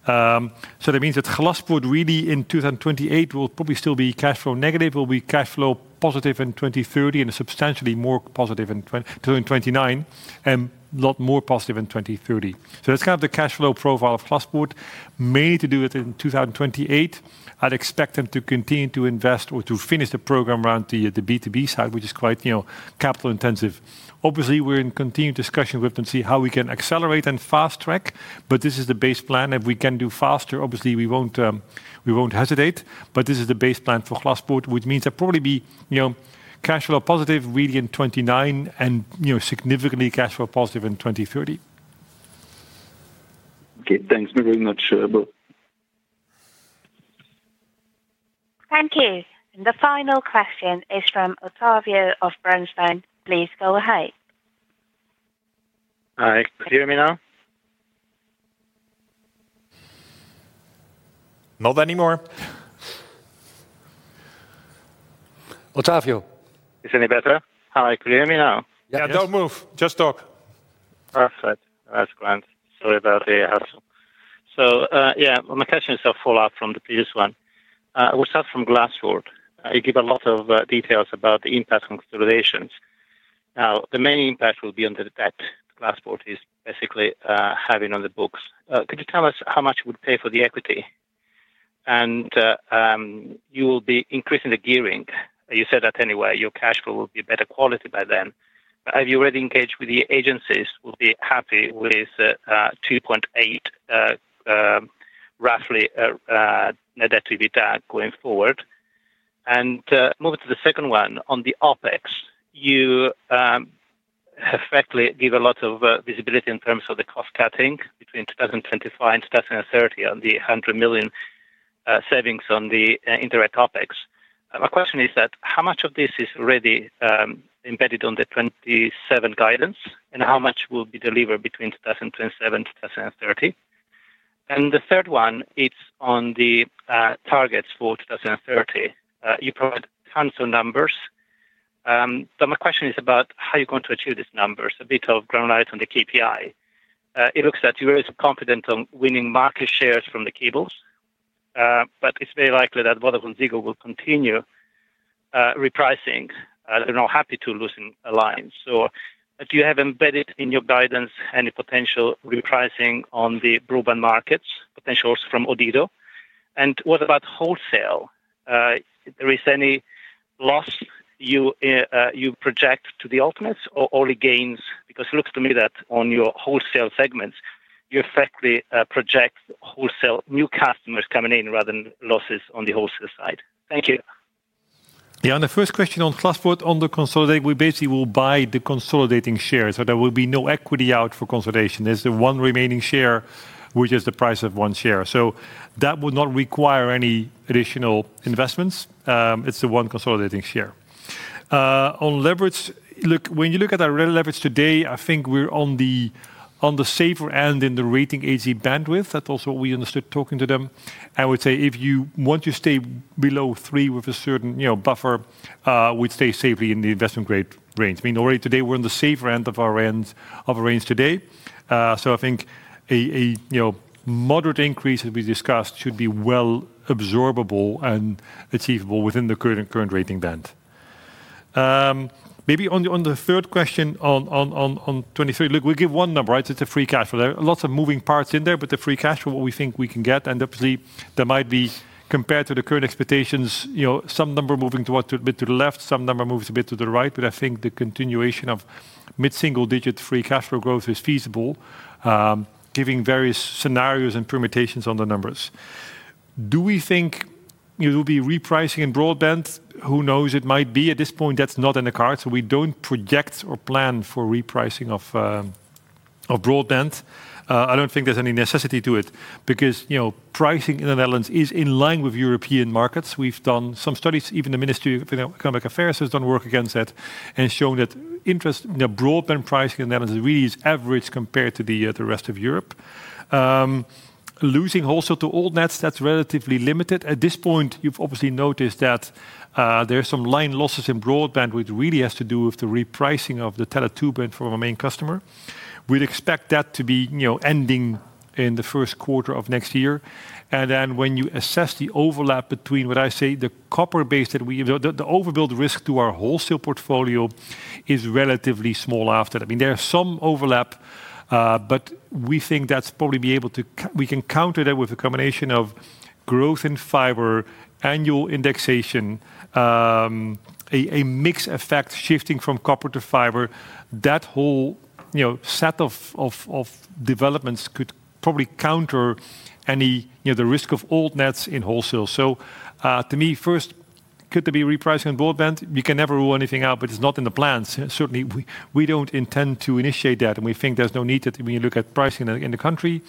Speaker 3: That means that Glaspoort really in 2028 will probably still be cash flow negative, will be cash flow positive in 2030 and substantially more positive in 2029 and a lot more positive in 2030. That is kind of the cash flow profile of Glaspoort mainly to do it in 2028. I'd expect them to continue to invest or to finish the program around the B2B side, which is quite capital intensive. Obviously we're in continued discussion with them to see how we can accelerate and fast track. This is the base plan. If we can do faster, obviously we won't hesitate. This is the base plan for Glaspoort, which means that probably be cash flow positive really in 2029 and significantly cash flow positive in 2030.
Speaker 14: Okay, thanks very much.
Speaker 4: Thank you. The final question is from Ottavio of Bernstein. Please go ahead.
Speaker 15: Hi, could you hear me now?
Speaker 2: Not anymore. Ottavio?
Speaker 15: Is this any better? Hi, can you hear me now?
Speaker 2: Yeah, don't move, just talk.
Speaker 15: Perfect. That's grand. Sorry about the hassle. Yeah, my question is a follow-up from the previous one. We'll start from Glaspoort. You give a lot of details about the impact on consolidations. Now the main impact will be on the debt Glaspoort is basically having on the books. Could you tell us how much you would pay for the equity? You will be increasing the gearing. You said that anyway your cash flow will be better quality by then. Have you already engaged with the agencies? Will they be happy with 2.8x roughly net debt to EBITDA going forward? Moving to the second one on the OpEx, you effectively give a lot of visibility in terms of the cost cutting between 2025 and 2030 and the 100 million savings on the indirect topics. My question is that how much of this is already embedded on the 2027 guidance and how much will be delivered between 2027, 2030. The third one, it's on the targets for 2030. You provide tons of numbers. But my question is about how you're going to achieve these numbers. A bit of ground light on the KPI. It looks that you are confident on winning market shares from the cables. But it's very likely that VodafoneZiggo will continue repricing. They're not happy to lose a line. Do you have embedded in your guidance any potential repricing on the broadband markets? Potential from Odido. And what about wholesale? There is any loss you project to the ultimates or only gains. Because it looks to me that on your wholesale segments you effectively project wholesale new customers coming in rather than losses on the wholesale side. Thank you.
Speaker 3: Yeah. The first question on Glaspoort on the consolidate, we basically will buy the consolidating shares so there will be no equity out for consolidation. There's the one remaining share, which is the price of one share. That would not require any additional investments, it's the one consolidating share. On leverage, look, when you look at our leverage today, I think we're on the safer end in the rating agency bandwidth. That's also what we understood talking to them. I would say if you want to stay below 3 with a certain buffer, we'd stay safely in the investment grade range. I mean, already today we're in the safer end of our range today. I think a moderate increase as we discussed should be well absorbable and achievable within the current rating band. Maybe on the, on the third question on 2023, look, we give one number. It's a free cash flow. There are lots of moving parts in there. But the free cash flow, what we think we can get, and obviously there might be, compared to the current expectations, you know, some number moving towards a bit to the left, some number moves a bit to the right. I think the continuation of mid single-digit free cash flow growth is feasible, given various scenarios and permutations on the numbers. Do we think it will be repricing in broadband? Who knows? It might be at this point. That's not in the cards. We do not project or plan for repricing of broadband. I do not think there's any necessity to it because, you know, pricing in the Netherlands is in line with European markets. We've done some studies, even the Ministry of Economic Affairs has done work against that and shown that interest in a broadband pricing analysis really is average compared to the rest of Europe. Losing also to altnets, that's relatively limited at this point. You've obviously noticed that there's some line losses in broadband which really has to do with the repricing of the [telecom] from our main customer. We'd expect that to be ending in the first quarter of next year. When you assess the overlap between what I say, the copper-based that we overbuilt, risk to our wholesale portfolio is relatively small after that. I mean, there's some overlap, but we think that's probably be able to, we can counter that with a combination of growth in fiber, annual indexation, a mix effect, shifting from copper to fiber. That whole set of developments could probably counter any risk of altnets in wholesale. To me first, could there be repricing on broadband? We can never rule anything out, but it is not in the plans. Certainly we do not intend to initiate that and we think there is no need. When you look at pricing in the country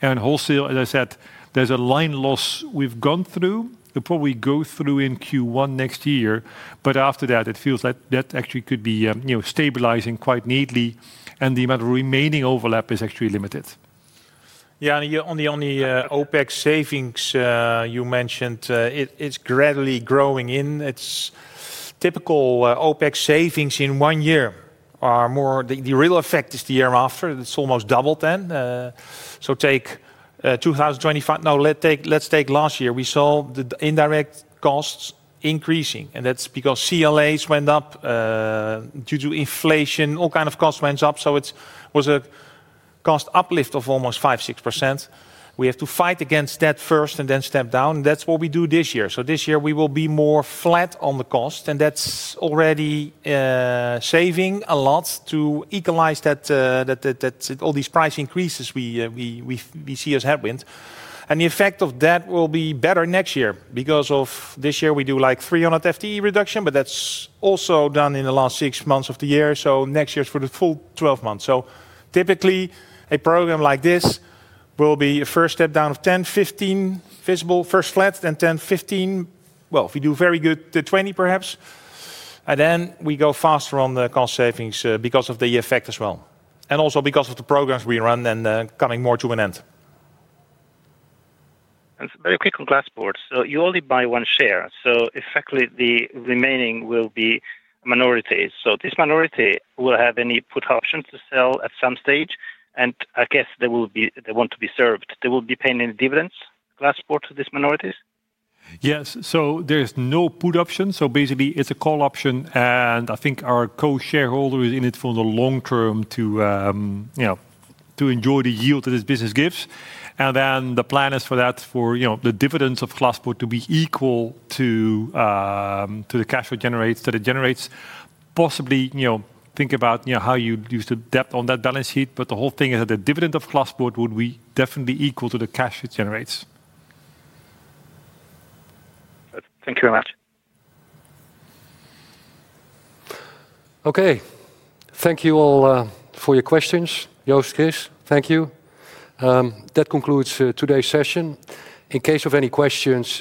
Speaker 3: and wholesale, as I said, there is a line loss we have gone through, probably go through in Q1 next year, but after that it feels that actually could be stabilizing quite neatly. The amount of remaining overlap is actually limited.
Speaker 2: Yeah. On the only OpEx savings you mentioned, it's gradually growing and its typical OpEx savings in one year are more. The real effect is the year after, it's almost doubled then. Take 2025. No, let's take last year. We saw the indirect costs increasing and that's because CLAs went up due to inflation. All kinds of costs went up. So it was a cost uplift of almost 5%, 6%. We have to fight against that first and then step down. That's what we do this year. This year we will be more flat on the cost and that's already saving a lot to equalize that. All these price increases we see as headwind and the effect of that will be better next year because this year we do like 300 FTE reduction, but that's also done in the last six months of the year. Next year for the full 12 months. Typically a program like this will be a first step down of 10%, 15% visible first flats and 10%, 15%. If we do very good, 20% perhaps, and then we go faster on the cost savings because of the effect as well and also because of the programs we run and coming more to an end.
Speaker 15: Very quick on Glaspoort, you only buy one share. So effectively the remaining will be minorities. So this minority will have any put options to sell at some stage, and I guess they will be, they want to be served, they will be paying any dividends. Glaspoort to these minorities.
Speaker 3: Yes. There is no put option. Basically, it is a call option and I think our co-shareholder is in it for the long term to, you know, to enjoy the yield that this business gives. The plan is for the dividends of Glaspoort to be equal to the cash that it generates. Possibly think about how you use the debt on that balance sheet. The whole thing is that the dividend of Glaspoort would definitely be equal to the cash it generates.
Speaker 15: Thank you very much.
Speaker 1: Okay, thank you all for your questions. Joost, Chris, thank you. That concludes today's session. In case of any questions,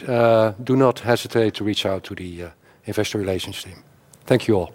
Speaker 1: do not hesitate to reach out to the investor relations team. Thank you all.